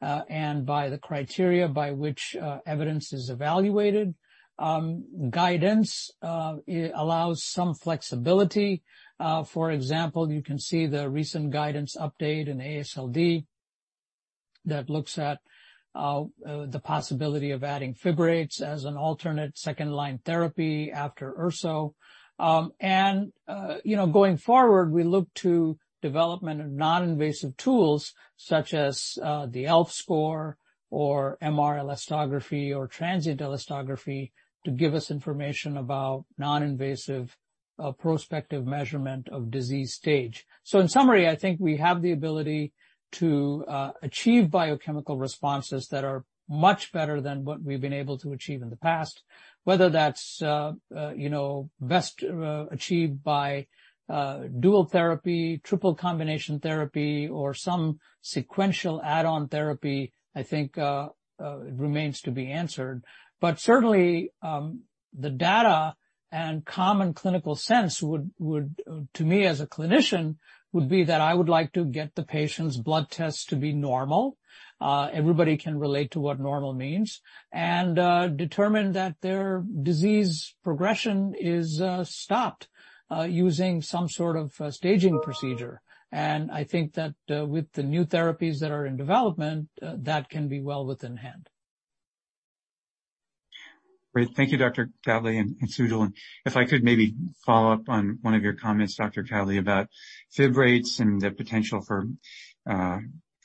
by the criteria by which evidence is evaluated. Guidance allows some flexibility. For example, you can see the recent guidance update in AASLD that looks at the possibility of adding fibrates as an alternate second-line therapy after urso. You know, going forward, we look to development of non-invasive tools such as the ELF score or MR elastography or transient elastography to give us information about non-invasive, a prospective measurement of disease stage. In summary, I think we have the ability to achieve biochemical responses that are much better than what we've been able to achieve in the past. Whether that's, you know, best achieved by dual therapy, triple combination therapy, or some sequential add-on therapy, I think remains to be answered. Certainly, the data and common clinical sense would to me as a clinician be that I would like to get the patient's blood tests to be normal. Everybody can relate to what normal means, and determine that their disease progression is stopped using some sort of staging procedure. I think that with the new therapies that are in development, that can be well within hand.
Great. Thank you, Dr. Kowdley and Sujal. If I could maybe follow up on one of your comments, Dr. Kowdley, about fibrates and the potential for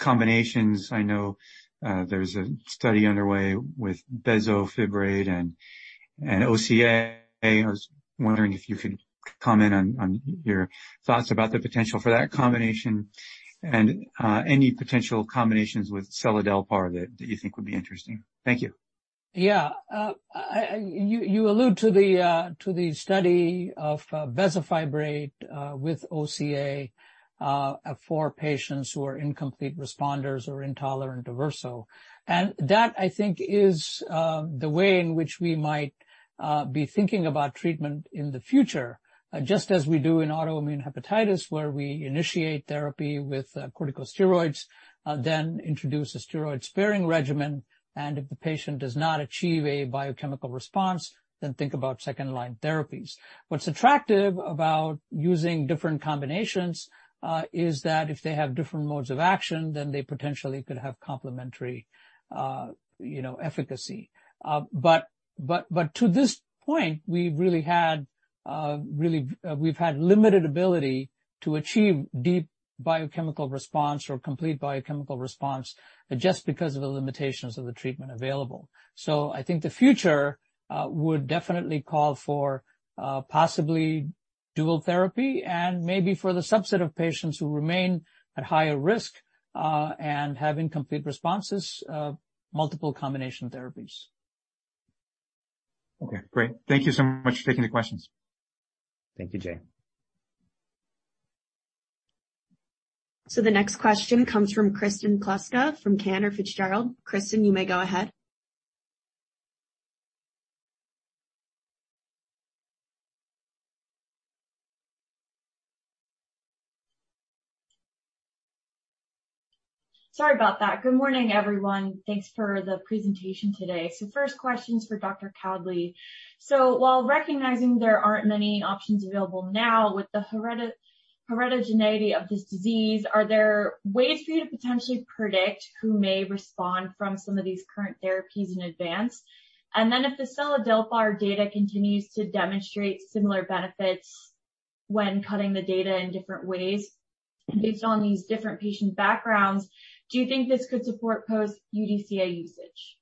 combinations. I know there's a study underway with bezafibrate and OCA. I was wondering if you could comment on your thoughts about the potential for that combination and any potential combinations with seladelpar that you think would be interesting. Thank you.
Yeah. You allude to the study of bezafibrate with OCA for patients who are incomplete responders or intolerant to urso. That, I think, is the way in which we might be thinking about treatment in the future, just as we do in autoimmune hepatitis, where we initiate therapy with corticosteroids, then introduce a steroid-sparing regimen, and if the patient does not achieve a biochemical response, then think about second-line therapies. What's attractive about using different combinations is that if they have different modes of action, then they potentially could have complementary, you know, efficacy. But to this point, we've really had limited ability to achieve deep biochemical response or complete biochemical response just because of the limitations of the treatment available. I think the future would definitely call for possibly dual therapy and maybe for the subset of patients who remain at higher risk and have incomplete responses, multiple combination therapies.
Okay, great. Thank you so much for taking the questions.
Thank you, Jay.
The next question comes from Kristen Kluska from Cantor Fitzgerald. Kristen, you may go ahead.
Sorry about that. Good morning, everyone. Thanks for the presentation today. First question is for Dr. Kowdley. While recognizing there aren't many options available now with the heterogeneity of this disease, are there ways for you to potentially predict who may respond from some of these current therapies in advance? If the seladelpar data continues to demonstrate similar benefits when cutting the data in different ways based on these different patient backgrounds, do you think this could support post UDCA usage?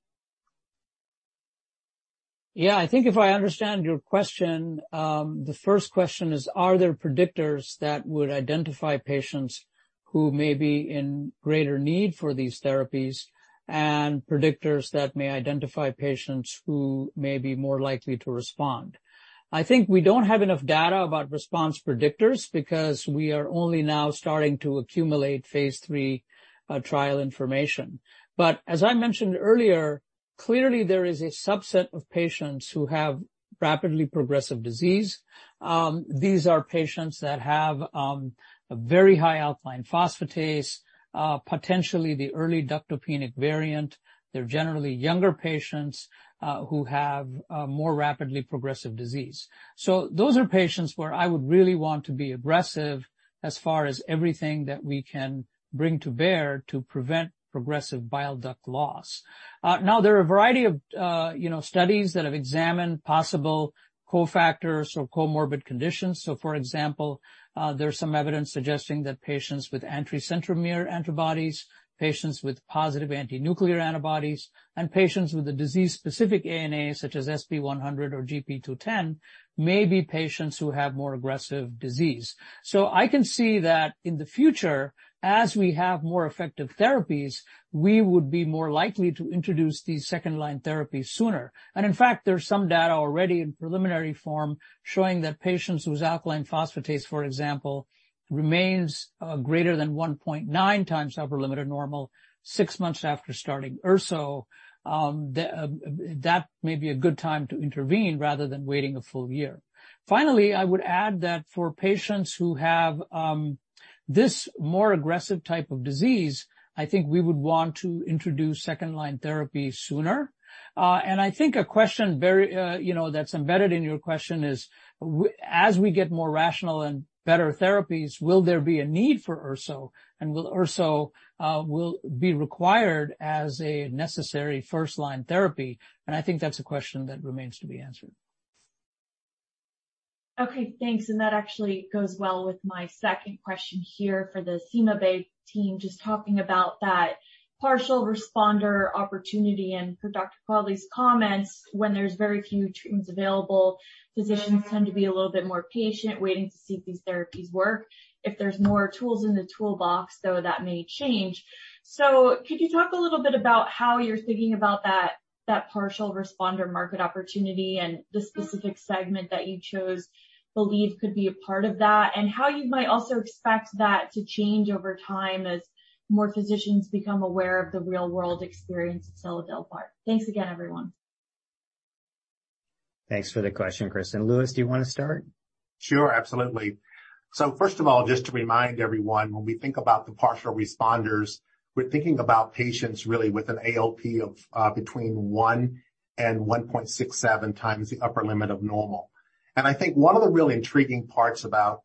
Yeah. I think if I understand your question, the first question is, are there predictors that would identify patients who may be in greater need for these therapies and predictors that may identify patients who may be more likely to respond? I think we don't have enough data about response predictors because we are only now starting to accumulate phase III trial information. As I mentioned earlier, clearly there is a subset of patients who have rapidly progressive disease. These are patients that have a very high alkaline phosphatase, potentially the early ductopenic variant. They're generally younger patients who have a more rapidly progressive disease. Those are patients where I would really want to be aggressive as far as everything that we can bring to bear to prevent progressive bile duct loss. Now, there are a variety of, you know, studies that have examined possible cofactors or comorbid conditions. For example, there's some evidence suggesting that patients with anticentromere antibodies, patients with positive antinuclear antibodies, and patients with a disease-specific ANA such as sp100 or gp210 may be patients who have more aggressive disease. I can see that in the future, as we have more effective therapies, we would be more likely to introduce these second-line therapies sooner. In fact, there's some data already in preliminary form showing that patients whose alkaline phosphatase, for example, remains greater than 1.9x upper limit of normal six months after starting urso, that may be a good time to intervene rather than waiting a full year. Finally, I would add that for patients who have this more aggressive type of disease, I think we would want to introduce second-line therapy sooner. I think a question very, you know, that's embedded in your question is, as we get more rational and better therapies, will there be a need for urso? Will urso be required as a necessary first-line therapy? I think that's a question that remains to be answered.
Okay, thanks. That actually goes well with my second question here for the CymaBay team. Just talking about that partial responder opportunity and for Dr. Kowdley's comments, when there's very few treatments available, physicians tend to be a little bit more patient, waiting to see if these therapies work. If there's more tools in the toolbox, though that may change. Could you talk a little bit about how you're thinking about that partial responder market opportunity and the specific segment that you chose, believe could be a part of that, and how you might also expect that to change over time as more physicians become aware of the real world experience of seladelpar? Thanks again, everyone.
Thanks for the question, Kristen. Lewis, do you want to start?
Sure. Absolutely. First of all, just to remind everyone, when we think about the partial responders, we're thinking about patients really with an ALP of between 1x and 1.67x the upper limit of normal. I think one of the really intriguing parts about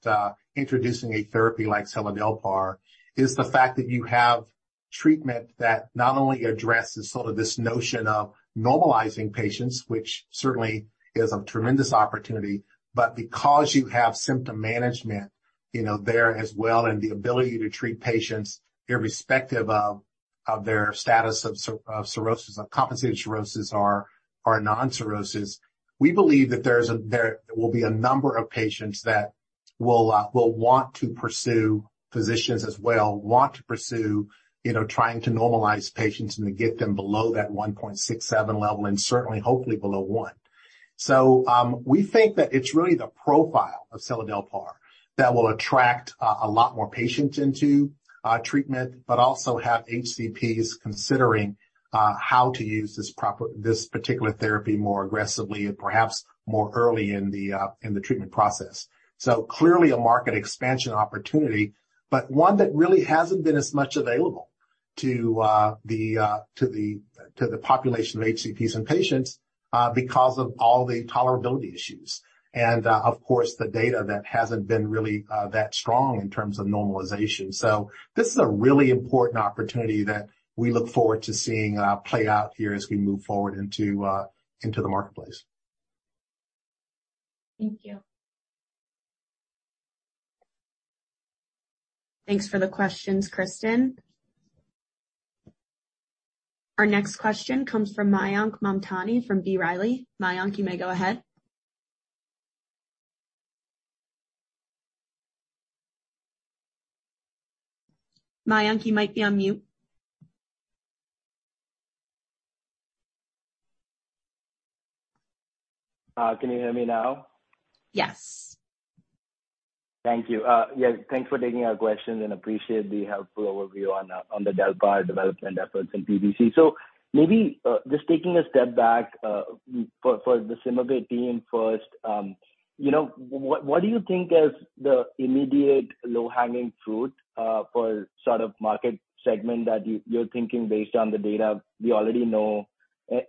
introducing a therapy like seladelpar is the fact that you have treatment that not only addresses sort of this notion of normalizing patients, which certainly is a tremendous opportunity, but because you have symptom management, you know, there as well, and the ability to treat patients irrespective of their status of cirrhosis, compensated cirrhosis or non-cirrhosis. We believe that there will be a number of patients that will want to pursue with physicians as well, you know, trying to normalize patients and to get them below that 1.67x level and certainly hopefully below 1x. We think that it's really the profile of seladelpar that will attract a lot more patients into treatment, but also have HCPs considering how to use this particular therapy more aggressively and perhaps more early in the treatment process. Clearly a market expansion opportunity, but one that really hasn't been as much available to the population of HCPs and patients because of all the tolerability issues and of course, the data that hasn't been really that strong in terms of normalization. This is a really important opportunity that we look forward to seeing play out here as we move forward into the marketplace.
Thank you.
Thanks for the questions, Kristen. Our next question comes from Mayank Mamtani from B. Riley. Mayank, you may go ahead. Mayank, you might be on mute.
Can you hear me now?
Yes.
Thank you. Thanks for taking our questions and appreciate the helpful overview on the delpar development efforts in PBC. Just taking a step back for the CymaBay team first, you know, what do you think is the immediate low-hanging fruit for sort of market segment that you're thinking based on the data we already know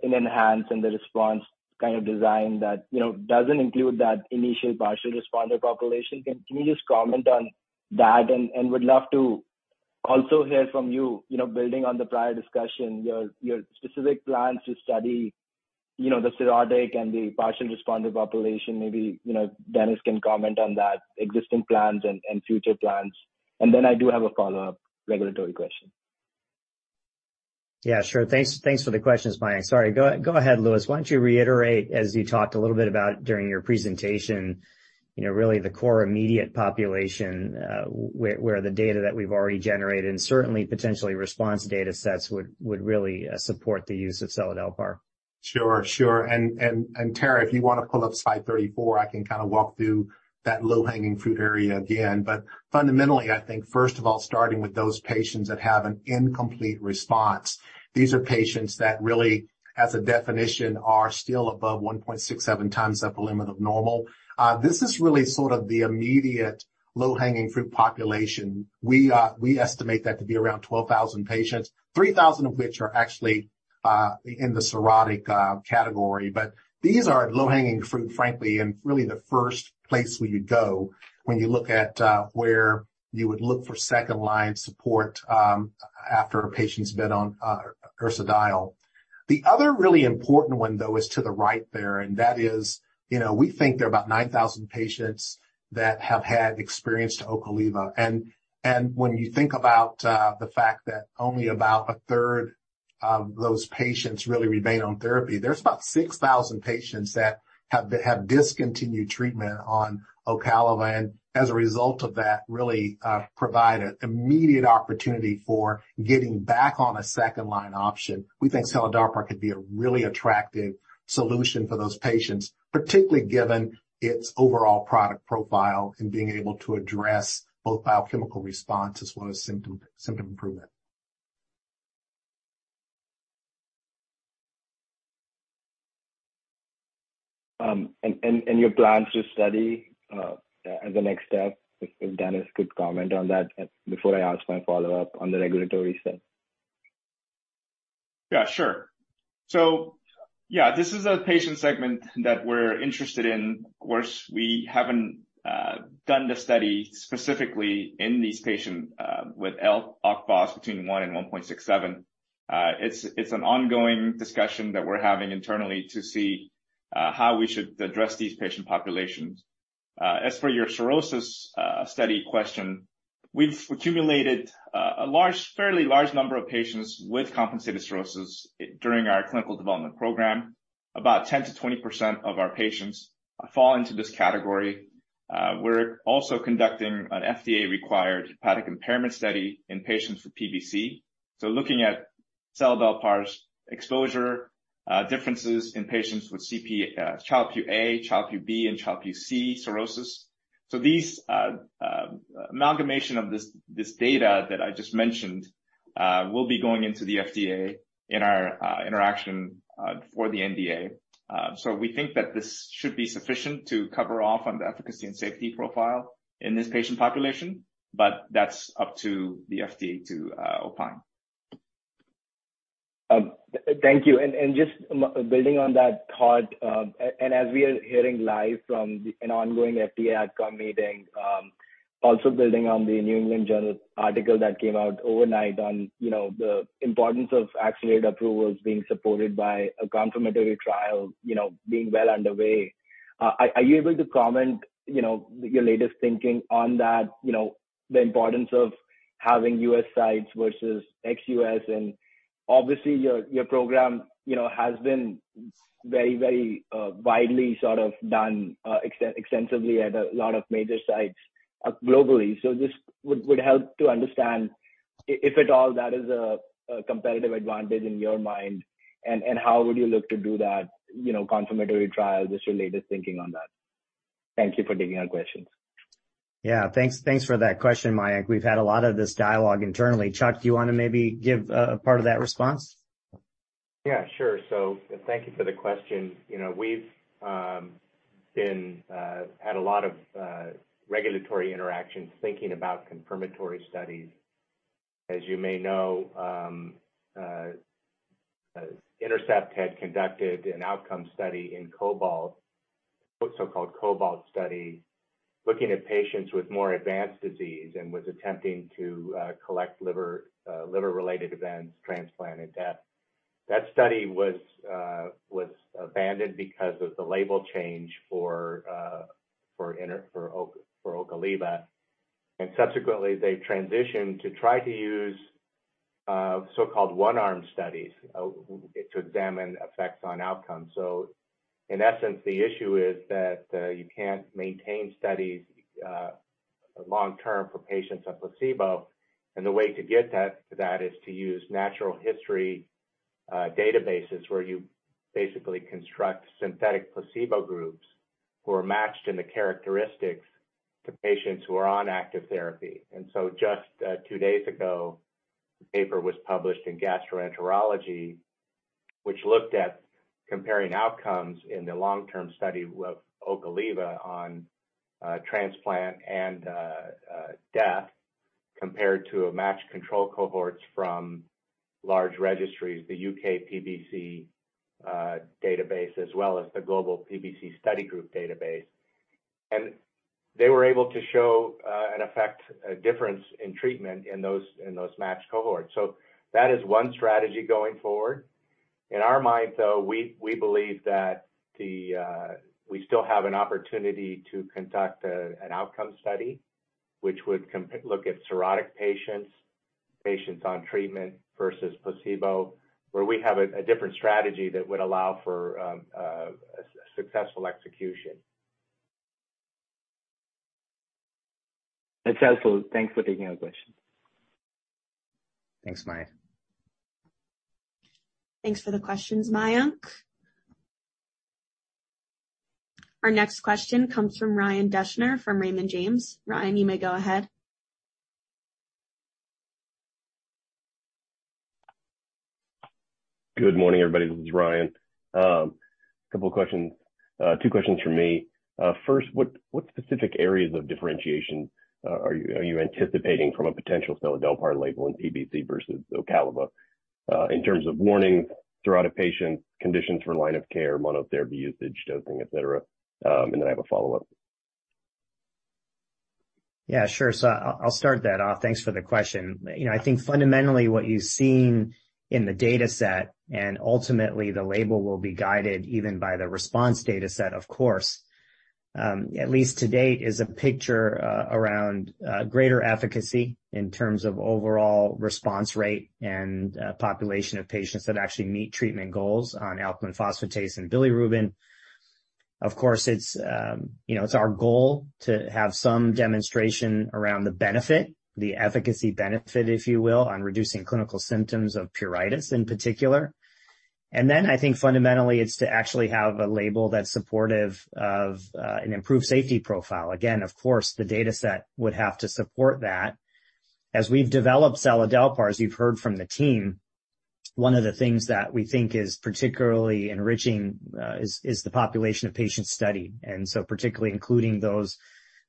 in ENHANCE and the RESPONSE kind of design that, you know, doesn't include that initial partial responder population. Can you just comment on that? Would love to also hear from you know, building on the prior discussion, your specific plans to study, you know, the cirrhotic and the partial responder population. Maybe, you know, Dennis can comment on that, existing plans and future plans. Then I do have a follow-up regulatory question.
Yeah, sure. Thanks for the questions, Mayank. Sorry, go ahead, Lewis. Why don't you reiterate, as you talked a little bit about during your presentation, you know, really the core immediate population, where the data that we've already generated and certainly potentially RESPONSE data sets would really support the use of seladelpar.
Sure, sure. Tara, if you wanna pull up slide 34, I can kind of walk through that low-hanging fruit area again. Fundamentally, I think first of all, starting with those patients that have an incomplete response, these are patients that really, as a definition, are still above 1.67x upper limit of normal. This is really sort of the immediate low-hanging fruit population. We estimate that to be around 12,000 patients, 3,000 of which are actually in the cirrhotic category. These are low-hanging fruit, frankly, and really the first place we would go when you look at where you would look for second-line support, after a patient's been on ursodiol. The other really important one, though, is to the right there, and that is, you know, we think there are about 9,000 patients that have had experience with Ocaliva. When you think about the fact that only about 1/3 of those patients really remain on therapy, there's about 6,000 patients that have discontinued treatment on Ocaliva, and as a result of that, really provide an immediate opportunity for getting back on a second-line option. We think seladelpar could be a really attractive solution for those patients, particularly given its overall product profile in being able to address both biochemical response as well as symptom improvement.
your plans to study as a next step, if Dennis could comment on that before I ask my follow-up on the regulatory stuff.
Yeah, sure. Yeah, this is a patient segment that we're interested in. Of course, we haven't done the study specifically in these patients with ALP, al phos, between 1x and 1.67x. It's an ongoing discussion that we're having internally to see how we should address these patient populations. As for your cirrhosis study question, we've accumulated a fairly large number of patients with compensated cirrhosis during our clinical development program. About 10%-20% of our patients fall into this category. We're also conducting an FDA-required hepatic impairment study in patients with PBC. Looking at seladelpar's exposure differences in patients with Child-Pugh A, Child-Pugh B, and Child-Pugh C cirrhosis. The amalgamation of this data that I just mentioned will be going into the FDA in our interaction for the NDA. We think that this should be sufficient to cover off on the efficacy and safety profile in this patient population, but that's up to the FDA to opine.
Thank you. Just building on that thought, and as we are hearing live from an ongoing FDA Ad Comm meeting, also building on the New England Journal article that came out overnight on, you know, the importance of accelerated approvals being supported by a confirmatory trial, you know, being well underway. Are you able to comment, you know, your latest thinking on that, you know, the importance of having U.S. sites versus ex-U.S.? Obviously your program, you know, has been very widely sort of done extensively at a lot of major sites globally. Just would help to understand if at all that is a competitive advantage in your mind, and how would you look to do that, you know, confirmatory trial, just your latest thinking on that. Thank you for taking our questions.
Yeah, thanks. Thanks for that question, Mayank. We've had a lot of this dialogue internally. Chuck, do you wanna maybe give a part of that response?
Yeah, sure. Thank you for the question. You know, we've had a lot of regulatory interactions thinking about confirmatory studies. As you may know, Intercept had conducted an outcome study in COBALT, so-called COBALT study, looking at patients with more advanced disease and was attempting to collect liver-related events, transplant and death. That study was abandoned because of the label change for Ocaliva. Subsequently, they transitioned to try to use so-called one-arm studies to examine effects on outcomes. In essence, the issue is that you can't maintain studies long term for patients on placebo, and the way to get that is to use natural history databases where you basically construct synthetic placebo groups who are matched in the characteristics to patients who are on active therapy. Just two days ago, a paper was published in Gastroenterology, which looked at comparing outcomes in the long-term study of Ocaliva on transplant and death, compared to a matched control cohorts from large registries, the UK-PBC database, as well as the Global PBC Study Group database. They were able to show an effect, a difference in treatment in those matched cohorts. That is one strategy going forward. In our mind, though, we believe that the... We still have an opportunity to conduct an outcome study, which would look at cirrhotic patients on treatment versus placebo, where we have a different strategy that would allow for a successful execution.
That's helpful. Thanks for taking our question.
Thanks, Mayank.
Thanks for the questions, Mayank. Our next question comes from Ryan Deschner from Raymond James. Ryan, you may go ahead.
Good morning, everybody. This is Ryan. A couple of questions. Two questions from me. First, what specific areas of differentiation are you anticipating from a potential seladelpar label in PBC versus Ocaliva, in terms of warnings throughout a patient, conditions for line of care, monotherapy usage, dosing, et cetera? I have a follow-up.
Yeah, sure. I'll start that off. Thanks for the question. You know, I think fundamentally what you've seen in the data set, and ultimately the label will be guided even by the response data set, of course, at least to date, is a picture around greater efficacy in terms of overall response rate and population of patients that actually meet treatment goals on alkaline phosphatase and bilirubin. Of course, it's, you know, it's our goal to have some demonstration around the benefit, the efficacy benefit, if you will, on reducing clinical symptoms of pruritus in particular. I think fundamentally it's to actually have a label that's supportive of an improved safety profile. Again, of course, the data set would have to support that. As we've developed seladelpar, as you've heard from the team, one of the things that we think is particularly enriching is the population of patients studied, and so particularly including those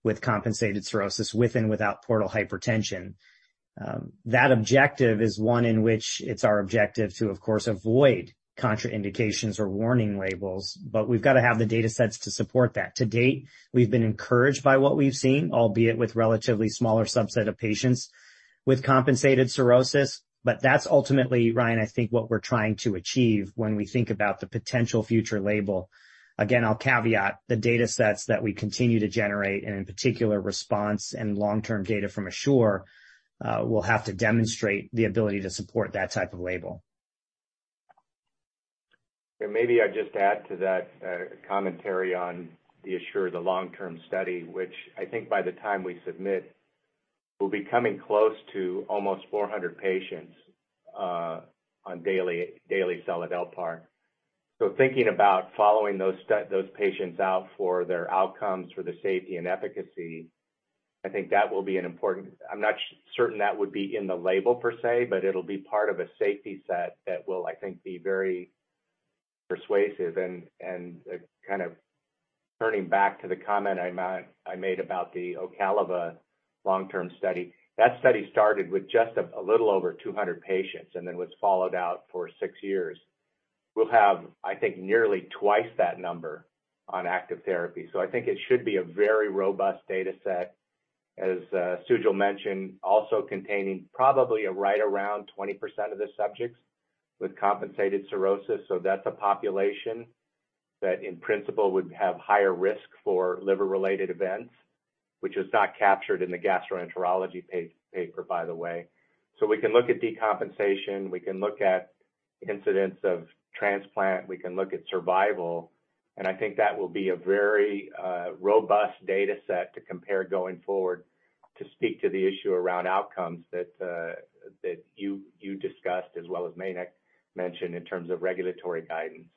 with compensated cirrhosis with and without portal hypertension. That objective is one in which it's our objective to, of course, avoid contraindications or warning labels, but we've got to have the data sets to support that. To date, we've been encouraged by what we've seen, albeit with relatively smaller subset of patients with compensated cirrhosis. That's ultimately, Ryan, I think what we're trying to achieve when we think about the potential future label. Again, I'll caveat the data sets that we continue to generate, and in particular, RESPONSE and long-term data from ASSURE will have to demonstrate the ability to support that type of label.
Maybe I'd just add to that, commentary on the ASSURE, the long-term study, which I think by the time we submit, will be coming close to almost 400 patients, on daily seladelpar. So thinking about following those patients out for their outcomes, for the safety and efficacy, I think that will be an important. I'm not certain that would be in the label per se, but it'll be part of a safety set that will, I think, be very persuasive. Kind of turning back to the comment I made about the Ocaliva long-term study. That study started with just a little over 200 patients, and then was followed out for six years. We'll have, I think, nearly twice that number on active therapy. I think it should be a very robust data set, as Sujal mentioned, also containing probably right around 20% of the subjects with compensated cirrhosis. That's a population that in principle would have higher risk for liver-related events, which is not captured in the gastroenterology paper, by the way. We can look at decompensation, we can look at incidence of transplant, we can look at survival. I think that will be a very robust data set to compare going forward to speak to the issue around outcomes that you discussed, as well as Mayank mentioned in terms of regulatory guidance.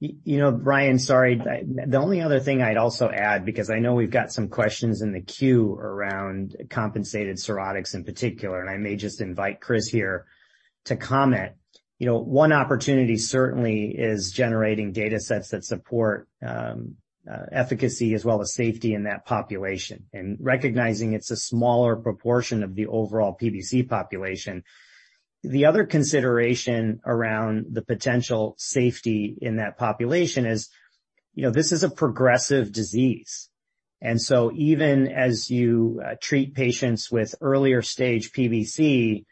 You know, Ryan, sorry. The only other thing I'd also add, because I know we've got some questions in the queue around compensated cirrhotics in particular, and I may just invite Kris here to comment. You know, one opportunity certainly is generating data sets that support efficacy as well as safety in that population, and recognizing it's a smaller proportion of the overall PBC population. The other consideration around the potential safety in that population is, you know, this is a progressive disease. Even as you treat patients with earlier stage PBC,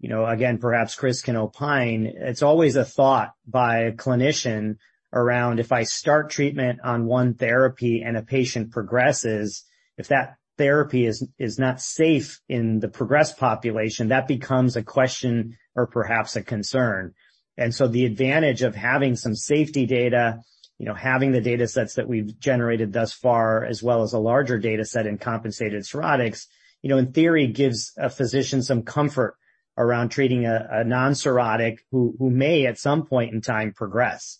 you know, again, perhaps Kris can opine, it's always a thought by a clinician around, if I start treatment on one therapy and a patient progresses, if that therapy is not safe in the progressed population, that becomes a question or perhaps a concern. The advantage of having some safety data, you know, having the data sets that we've generated thus far, as well as a larger data set in compensated cirrhotics, you know, in theory, gives a physician some comfort around treating a non-cirrhotic who may, at some point in time, progress.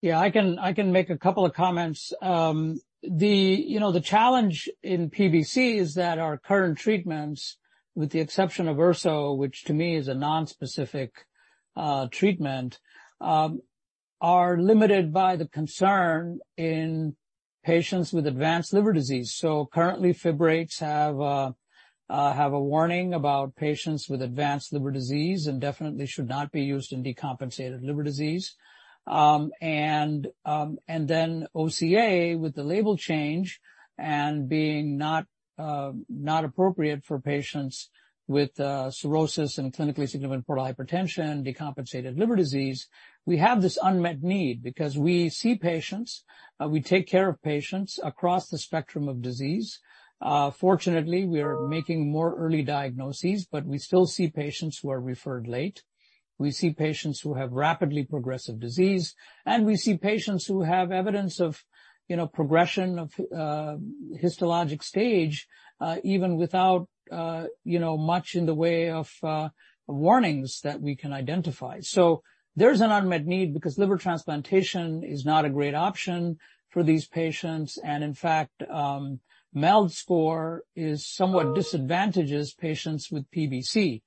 Yeah, I can make a couple of comments. You know, the challenge in PBC is that our current treatments, with the exception of urso, which to me is a nonspecific treatment, are limited by the concern in patients with advanced liver disease. Currently, fibrates have a warning about patients with advanced liver disease and definitely should not be used in decompensated liver disease. OCA with the label change and being not appropriate for patients with cirrhosis and clinically significant portal hypertension, decompensated liver disease, we have this unmet need because we see patients, we take care of patients across the spectrum of disease. Fortunately, we are making more early diagnoses, but we still see patients who are referred late. We see patients who have rapidly progressive disease, and we see patients who have evidence of, you know, progression of histologic stage, even without, you know, much in the way of warnings that we can identify. There's an unmet need because liver transplantation is not a great option for these patients, and in fact, MELD score is somewhat disadvantages patients with PBC.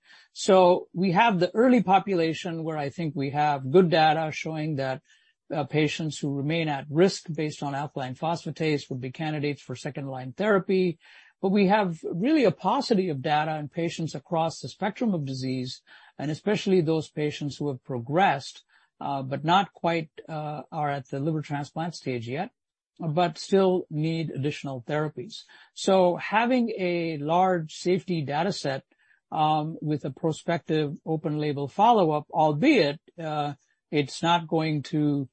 We have the early population where I think we have good data showing that, patients who remain at risk based on alkaline phosphatase would be candidates for second-line therapy. We have really a paucity of data in patients across the spectrum of disease, and especially those patients who have progressed, but not quite, are at the liver transplant stage yet, but still need additional therapies. Having a large safety data set with a prospective open label follow-up, albeit it's not going to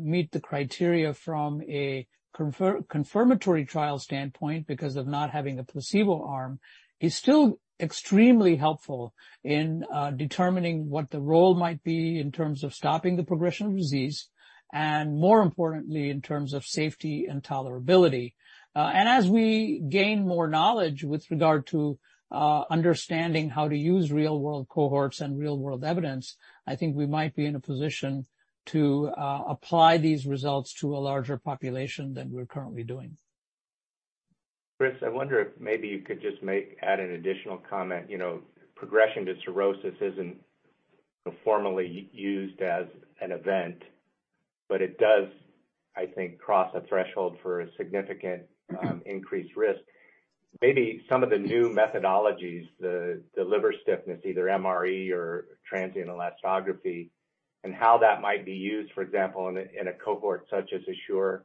meet the criteria from a confirmatory trial standpoint because of not having a placebo arm, is still extremely helpful in determining what the role might be in terms of stopping the progression of disease, and more importantly, in terms of safety and tolerability. As we gain more knowledge with regard to understanding how to use real-world cohorts and real-world evidence, I think we might be in a position to apply these results to a larger population than we're currently doing.
Kris, I wonder if maybe you could just add an additional comment. You know, progression to cirrhosis isn't formally used as an event, but it does, I think, cross a threshold for a significant increased risk. Maybe some of the new methodologies, the liver stiffness, either MRE or transient elastography, and how that might be used, for example, in a cohort such as ASSURE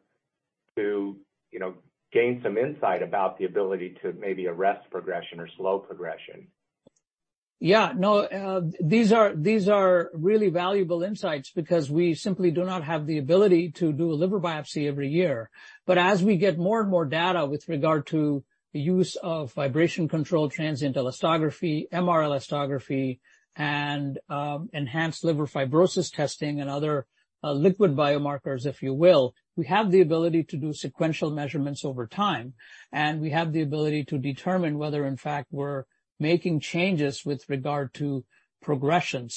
to, you know, gain some insight about the ability to maybe arrest progression or slow progression.
Yeah. No, these are really valuable insights because we simply do not have the ability to do a liver biopsy every year. But as we get more and more data with regard to the use of vibration-controlled transient elastography, MR elastography, and enhanced liver fibrosis testing and other liquid biomarkers, if you will, we have the ability to do sequential measurements over time, and we have the ability to determine whether, in fact, we're making changes with regard to progression.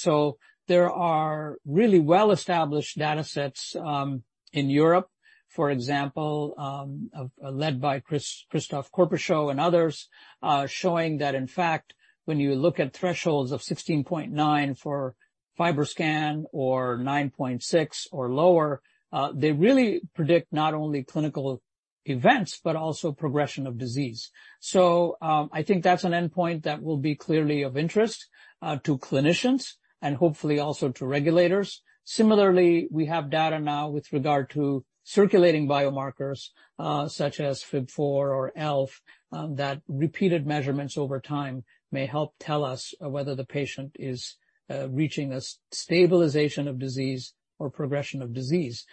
There are really well-established data sets in Europe, for example, led by Christophe Corpechot and others, showing that in fact, when you look at thresholds of 16.9 kPa for FibroScan or 9.6 kPa or lower, they really predict not only clinical events, but also progression of disease. I think that's an endpoint that will be clearly of interest to clinicians and hopefully also to regulators. Similarly, we have data now with regard to circulating biomarkers, such as FIB-4 or ELF, that repeated measurements over time may help tell us whether the patient is reaching a stabilization of disease or progression of disease.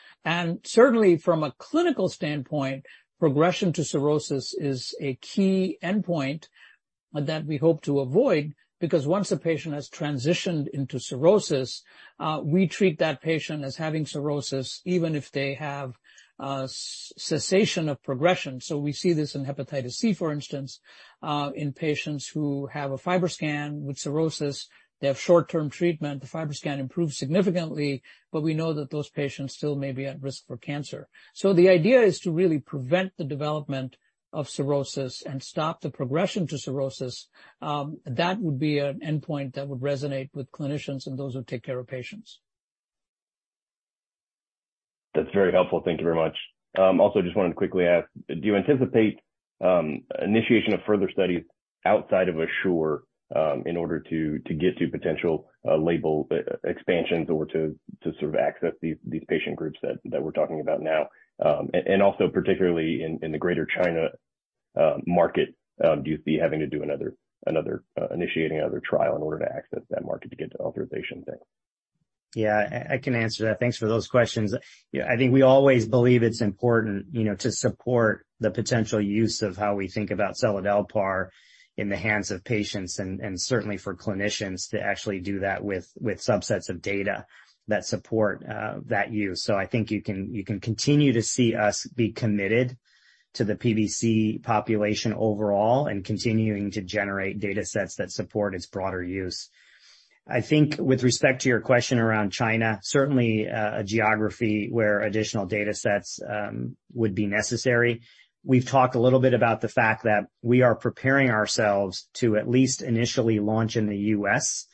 Certainly from a clinical standpoint, progression to cirrhosis is a key endpoint that we hope to avoid, because once a patient has transitioned into cirrhosis, we treat that patient as having cirrhosis even if they have cessation of progression. We see this in hepatitis C, for instance, in patients who have a FibroScan with cirrhosis, they have short-term treatment, the FibroScan improves significantly, but we know that those patients still may be at risk for cancer. The idea is to really prevent the development of cirrhosis and stop the progression to cirrhosis. That would be an endpoint that would resonate with clinicians and those who take care of patients.
That's very helpful. Thank you very much. Also, just wanted to quickly ask, do you anticipate initiation of further studies outside of ASSURE in order to get to potential label expansions or to sort of access these patient groups that we're talking about now? And also particularly in the Greater China market, do you see having to initiate another trial in order to access that market to get to authorization there?
Yeah, I can answer that. Thanks for those questions. Yeah, I think we always believe it's important, you know, to support the potential use of how we think about seladelpar in the hands of patients and certainly for clinicians to actually do that with subsets of data that support that use. I think you can continue to see us be committed to the PBC population overall and continuing to generate data sets that support its broader use. I think with respect to your question around China, certainly a geography where additional data sets would be necessary. We've talked a little bit about the fact that we are preparing ourselves to at least initially launch in the U.S.,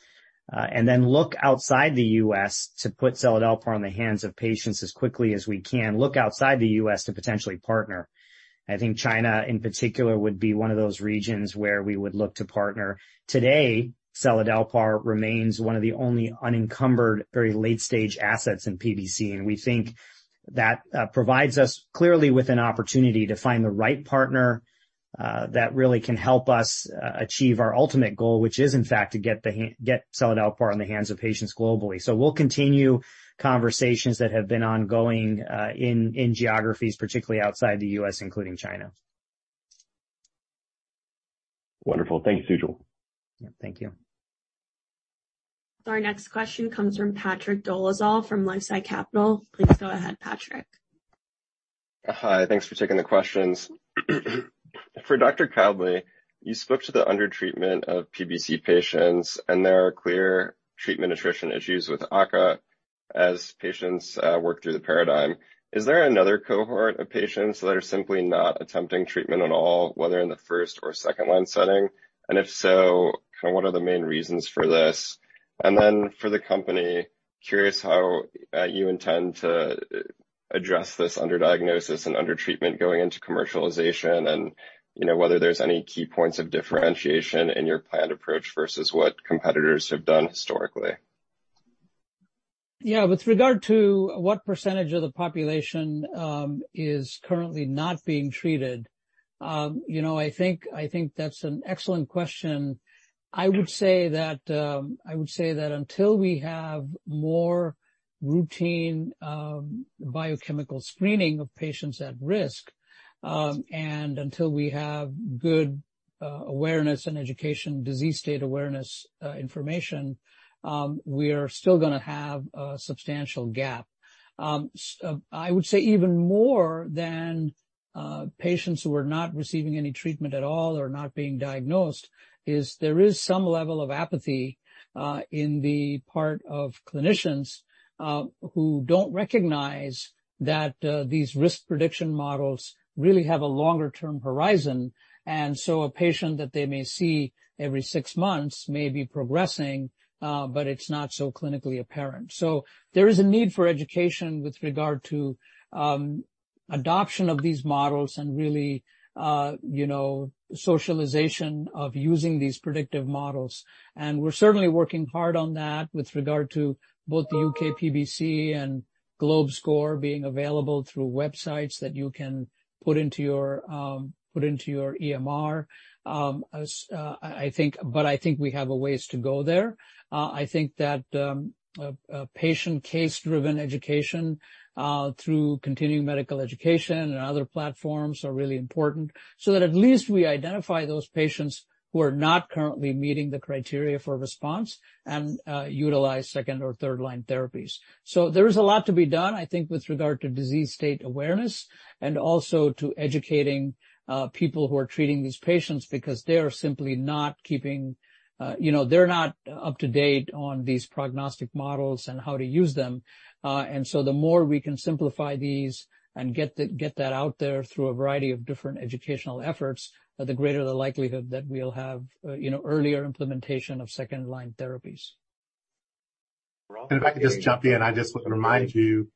and then look outside the U.S. to put seladelpar in the hands of patients as quickly as we can, look outside the U.S. to potentially partner. I think China, in particular, would be one of those regions where we would look to partner. Today, seladelpar remains one of the only unencumbered, very late-stage assets in PBC. We think that provides us clearly with an opportunity to find the right partner that really can help us achieve our ultimate goal, which is, in fact, to get seladelpar in the hands of patients globally. We'll continue conversations that have been ongoing in geographies, particularly outside the U.S., including China.
Wonderful. Thanks, Sujal.
Yeah. Thank you.
Our next question comes from Patrick Dolezal from LifeSci Capital. Please go ahead, Patrick.
Hi. Thanks for taking the questions. For Dr. Kowdley, you spoke to the under-treatment of PBC patients, and there are clear treatment attrition issues with OCA as patients work through the paradigm. Is there another cohort of patients that are simply not attempting treatment at all, whether in the first or second-line setting? And if so, kind of what are the main reasons for this? And then for the company, curious how you intend to address this under-diagnosis and under-treatment going into commercialization and, you know, whether there's any key points of differentiation in your planned approach versus what competitors have done historically.
Yeah. With regard to what percentage of the population is currently not being treated, you know, I think that's an excellent question. I would say that until we have more routine biochemical screening of patients at risk and until we have good awareness and education, disease state awareness information, we are still gonna have a substantial gap. I would say even more than patients who are not receiving any treatment at all or not being diagnosed. There is some level of apathy in the part of clinicians who don't recognize that these risk prediction models really have a longer-term horizon. A patient that they may see every six months may be progressing, but it's not so clinically apparent. There is a need for education with regard to adoption of these models and really, you know, socialization of using these predictive models. We're certainly working hard on that with regard to both the UK-PBC and GLOBE score being available through websites that you can put into your EMR. I think we have a ways to go there. I think that a patient case-driven education through continuing medical education and other platforms are really important so that at least we identify those patients who are not currently meeting the criteria for response and utilize second or third-line therapies. There is a lot to be done, I think, with regard to disease state awareness and also to educating people who are treating these patients because they are simply not keeping, you know, they're not up-to-date on these prognostic models and how to use them. The more we can simplify these and get that out there through a variety of different educational efforts, the greater the likelihood that we'll have, you know, earlier implementation of second-line therapies.
If I could just jump in, I just want to remind you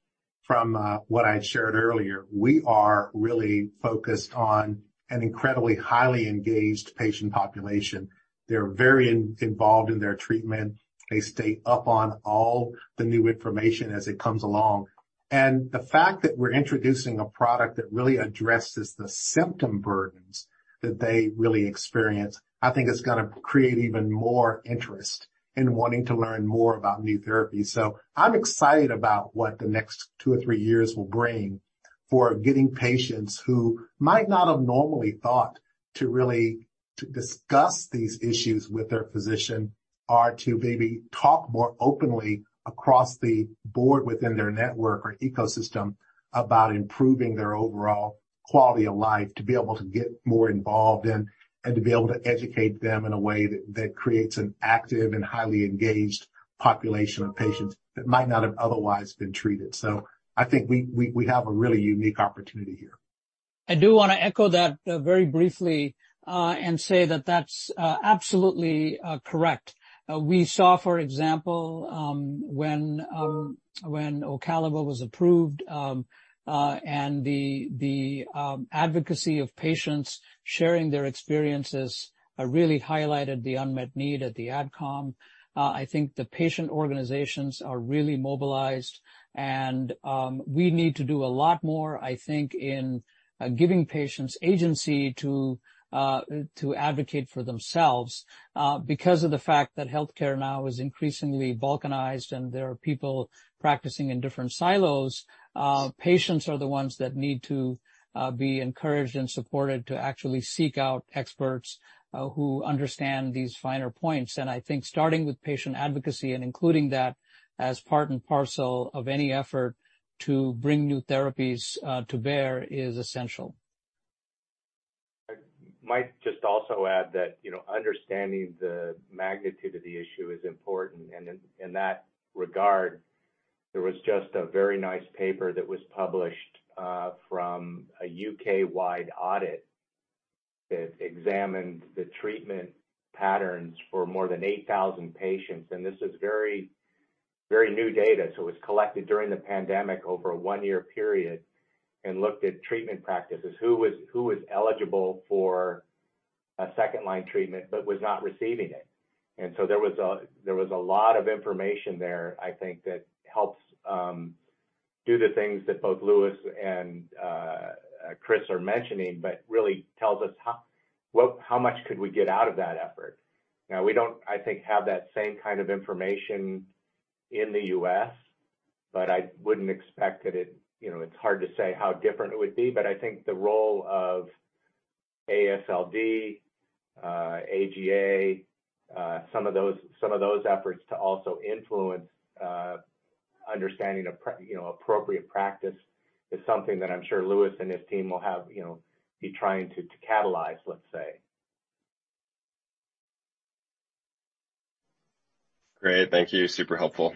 from what I had shared earlier, we are really focused on an incredibly highly engaged patient population. They're very involved in their treatment. They stay up on all the new information as it comes along. The fact that we're introducing a product that really addresses the symptom burdens that they really experience, I think it's gonna create even more interest in wanting to learn more about new therapies. I'm excited about what the next two or three years will bring for getting patients who might not have normally thought to really, to discuss these issues with their physician, or to maybe talk more openly across the board within their network or ecosystem about improving their overall quality of life, to be able to get more involved in, and to be able to educate them in a way that creates an active and highly engaged population of patients that might not have otherwise been treated. I think we have a really unique opportunity here.
I do want to echo that very briefly and say that that's absolutely correct. We saw, for example, when Ocaliva was approved and the advocacy of patients sharing their experiences really highlighted the unmet need at the Ad Comm. I think the patient organizations are really mobilized, and we need to do a lot more, I think, in giving patients agency to advocate for themselves. Because of the fact that healthcare now is increasingly balkanized and there are people practicing in different silos, patients are the ones that need to be encouraged and supported to actually seek out experts who understand these finer points. I think starting with patient advocacy and including that as part and parcel of any effort to bring new therapies to bear is essential.
I might just also add that, you know, understanding the magnitude of the issue is important. In that regard, there was just a very nice paper that was published from a U.K.-wide audit that examined the treatment patterns for more than 8,000 patients. This is very, very new data, so it was collected during the pandemic over a one-year period and looked at treatment practices, who was eligible for a second-line treatment but was not receiving it. There was a lot of information there, I think, that helps do the things that both Lewis and Kris are mentioning, but really tells us how well, how much could we get out of that effort. Now, we don't, I think, have that same kind of information in the U.S., but I wouldn't expect that it, you know, it's hard to say how different it would be. I think the role of AASLD, AGA, some of those efforts to also influence understanding, you know, appropriate practice is something that I'm sure Lewis and his team will have, you know, be trying to catalyze, let's say.
Great. Thank you. Super helpful.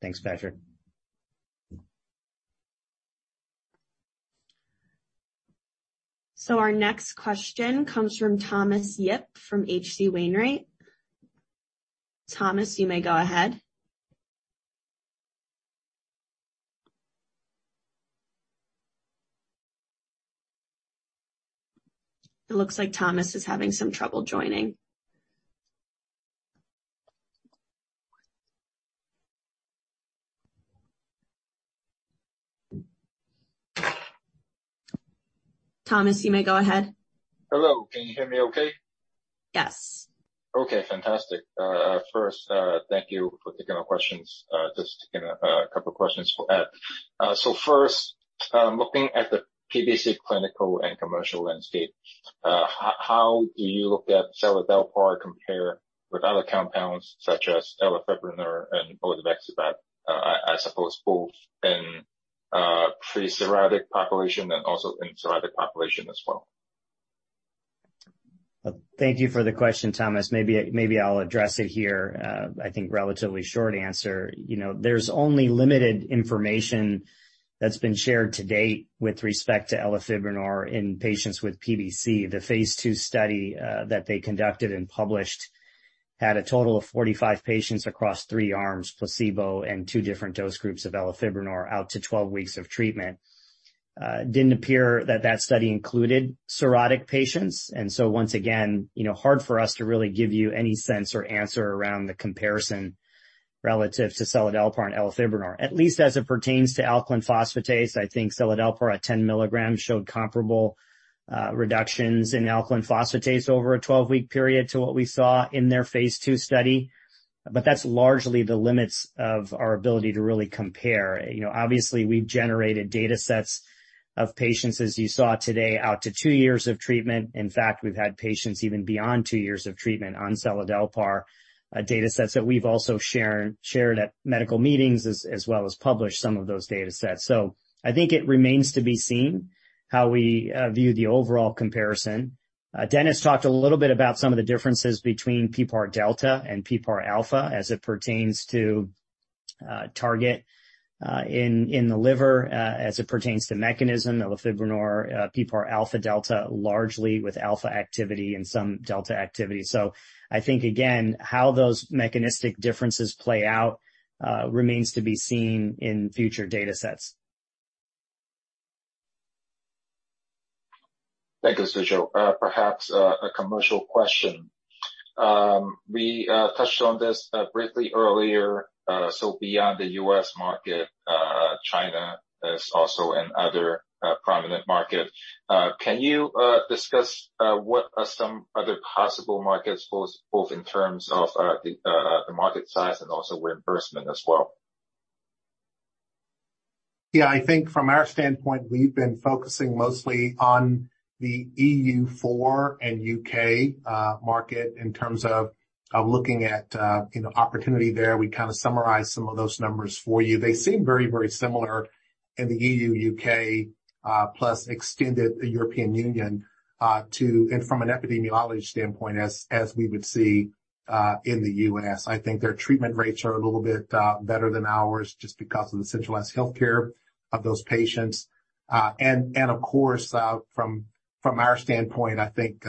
Thanks, Patrick.
Our next question comes from Thomas Yip from H.C. Wainwright. Thomas, you may go ahead. It looks like Thomas is having some trouble joining. Thomas, you may go ahead.
Hello. Can you hear me okay?
Yes.
Okay, fantastic. First, thank you for taking our questions. Just taking a couple of questions for Ed. First, looking at the PBC clinical and commercial landscape, how do you look at seladelpar compare with other compounds such as elafibranor and odevixibat? I suppose both in pre-cirrhotic population and also in cirrhotic population as well.
Thank you for the question, Thomas. Maybe I'll address it here. I think relatively short answer. You know, there's only limited information that's been shared to date with respect to elafibranor in patients with PBC. The phase II study that they conducted and published had a total of 45 patients across three arms, placebo and two different dose groups of elafibranor out to 12 weeks of treatment. Didn't appear that that study included cirrhotic patients. Once again, you know, hard for us to really give you any sense or answer around the comparison relative to seladelpar and elafibranor. At least as it pertains to alkaline phosphatase, I think seladelpar at 10 mg showed comparable reductions in alkaline phosphatase over a 12-week period to what we saw in their phase II study. That's largely the limits of our ability to really compare. You know, obviously we've generated datasets of patients, as you saw today, out to two years of treatment. In fact, we've had patients even beyond two years of treatment on seladelpar, datasets that we've also shared at medical meetings as well as published some of those datasets. I think it remains to be seen how we view the overall comparison. Dennis talked a little bit about some of the differences between PPAR-delta and PPAR-alpha as it pertains to target in the liver as it pertains to mechanism, elafibranor, PPAR-alpha/delta, largely with alpha activity and some delta activity. I think again, how those mechanistic differences play out remains to be seen in future datasets.
Thank you, Sujal. Perhaps a commercial question. We touched on this briefly earlier. Beyond the U.S. market, China is also another prominent market. Can you discuss what are some other possible markets, both in terms of the market size and also reimbursement as well?
Yeah. I think from our standpoint, we've been focusing mostly on the EU4 and U.K. market in terms of looking at, you know, opportunity there. We kinda summarized some of those numbers for you. They seem very, very similar in the E.U., U.K., plus extended European Union and from an epidemiology standpoint as we would see in the U.S. I think their treatment rates are a little bit better than ours just because of the centralized healthcare of those patients. Of course, from our standpoint, I think,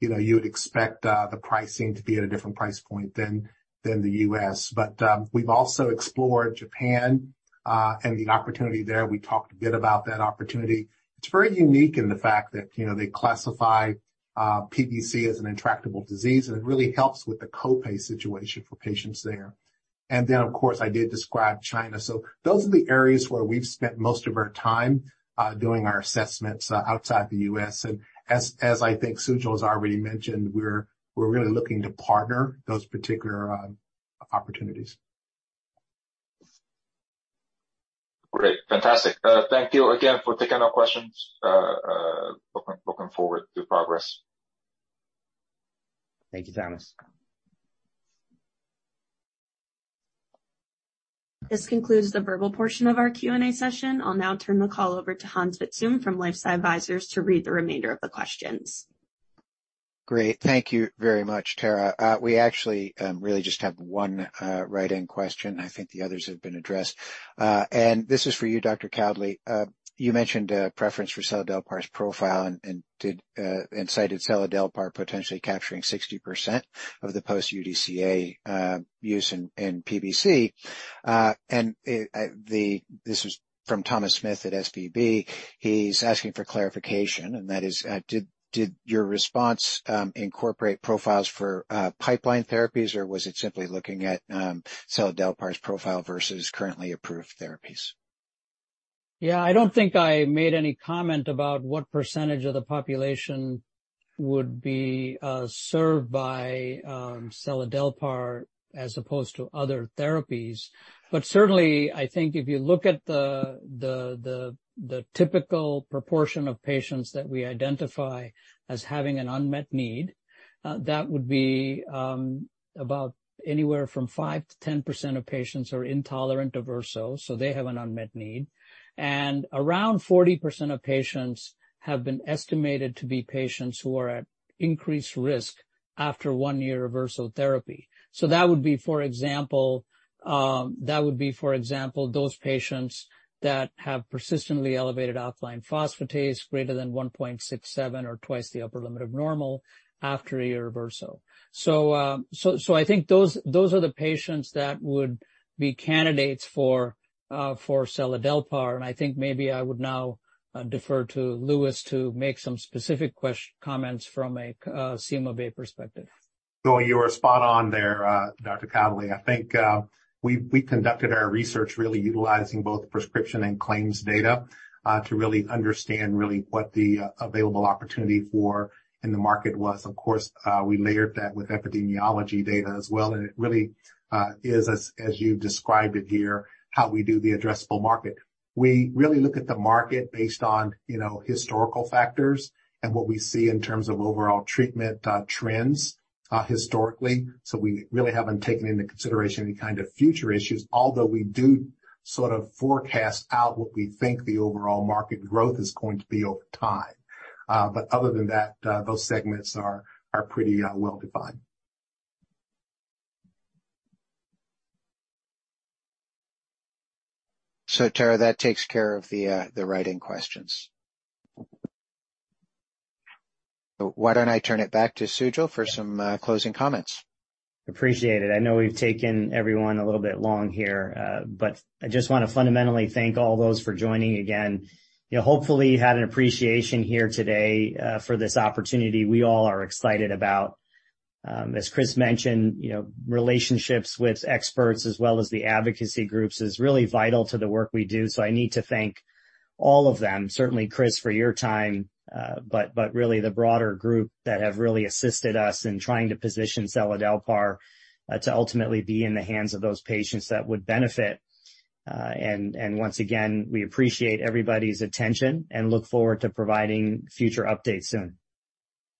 you know, you would expect the pricing to be at a different price point than the U.S. We've also explored Japan and the opportunity there. We talked a bit about that opportunity. It's very unique in the fact that, you know, they classify PBC as an intractable disease, and it really helps with the co-pay situation for patients there. Of course, I did describe China. Those are the areas where we've spent most of our time doing our assessments outside the U.S. As I think Sujal has already mentioned, we're really looking to partner those particular opportunities.
Great. Fantastic. Thank you again for taking our questions. Looking forward to progress.
Thank you, Thomas.
This concludes the verbal portion of our Q&A session. I'll now turn the call over to Hans Vitzthum from LifeSci Advisors to read the remainder of the questions.
Great. Thank you very much, Tara. We actually really just have one write-in question. I think the others have been addressed. This is for you, Dr. Kowdley. You mentioned a preference for seladelpar's profile and cited seladelpar potentially capturing 60% of the post-UDCA use in PBC. This is from Thomas Smith at SVB. He's asking for clarification, and that is, did your response incorporate profiles for pipeline therapies, or was it simply looking at seladelpar's profile versus currently approved therapies?
Yeah. I don't think I made any comment about what percentage of the population would be served by seladelpar as opposed to other therapies. Certainly, I think if you look at the typical proportion of patients that we identify as having an unmet need, that would be about anywhere from 5%-10% of patients are intolerant of urso, so they have an unmet need. Around 40% of patients have been estimated to be patients who are at increased risk after one year of urso therapy. That would be, for example, those patients that have persistently elevated alkaline phosphatase greater than 1.67x or 2x the upper limit of normal after a year of urso. I think those are the patients that would be candidates for seladelpar, and I think maybe I would now defer to Lewis to make some specific comments from a CymaBay perspective.
No, you are spot on there, Dr. Kowdley. I think we conducted our research really utilizing both prescription and claims data to really understand really what the available opportunity for in the market was. Of course, we layered that with epidemiology data as well, and it really is as you described it here, how we do the addressable market. We really look at the market based on, you know, historical factors and what we see in terms of overall treatment trends historically. We really haven't taken into consideration any kind of future issues, although we do sort of forecast out what we think the overall market growth is going to be over time. Other than that, those segments are pretty well-defined.
Tara, that takes care of the write-in questions. Why don't I turn it back to Sujal for some closing comments.
Appreciate it. I know we've taken everyone a little bit long here, but I just wanna fundamentally thank all those for joining again. You know, hopefully, you had an appreciation here today, for this opportunity we all are excited about. As Kris mentioned, you know, relationships with experts as well as the advocacy groups is really vital to the work we do, so I need to thank all of them, certainly Kris for your time, but really the broader group that have really assisted us in trying to position seladelpar, to ultimately be in the hands of those patients that would benefit. Once again, we appreciate everybody's attention and look forward to providing future updates soon.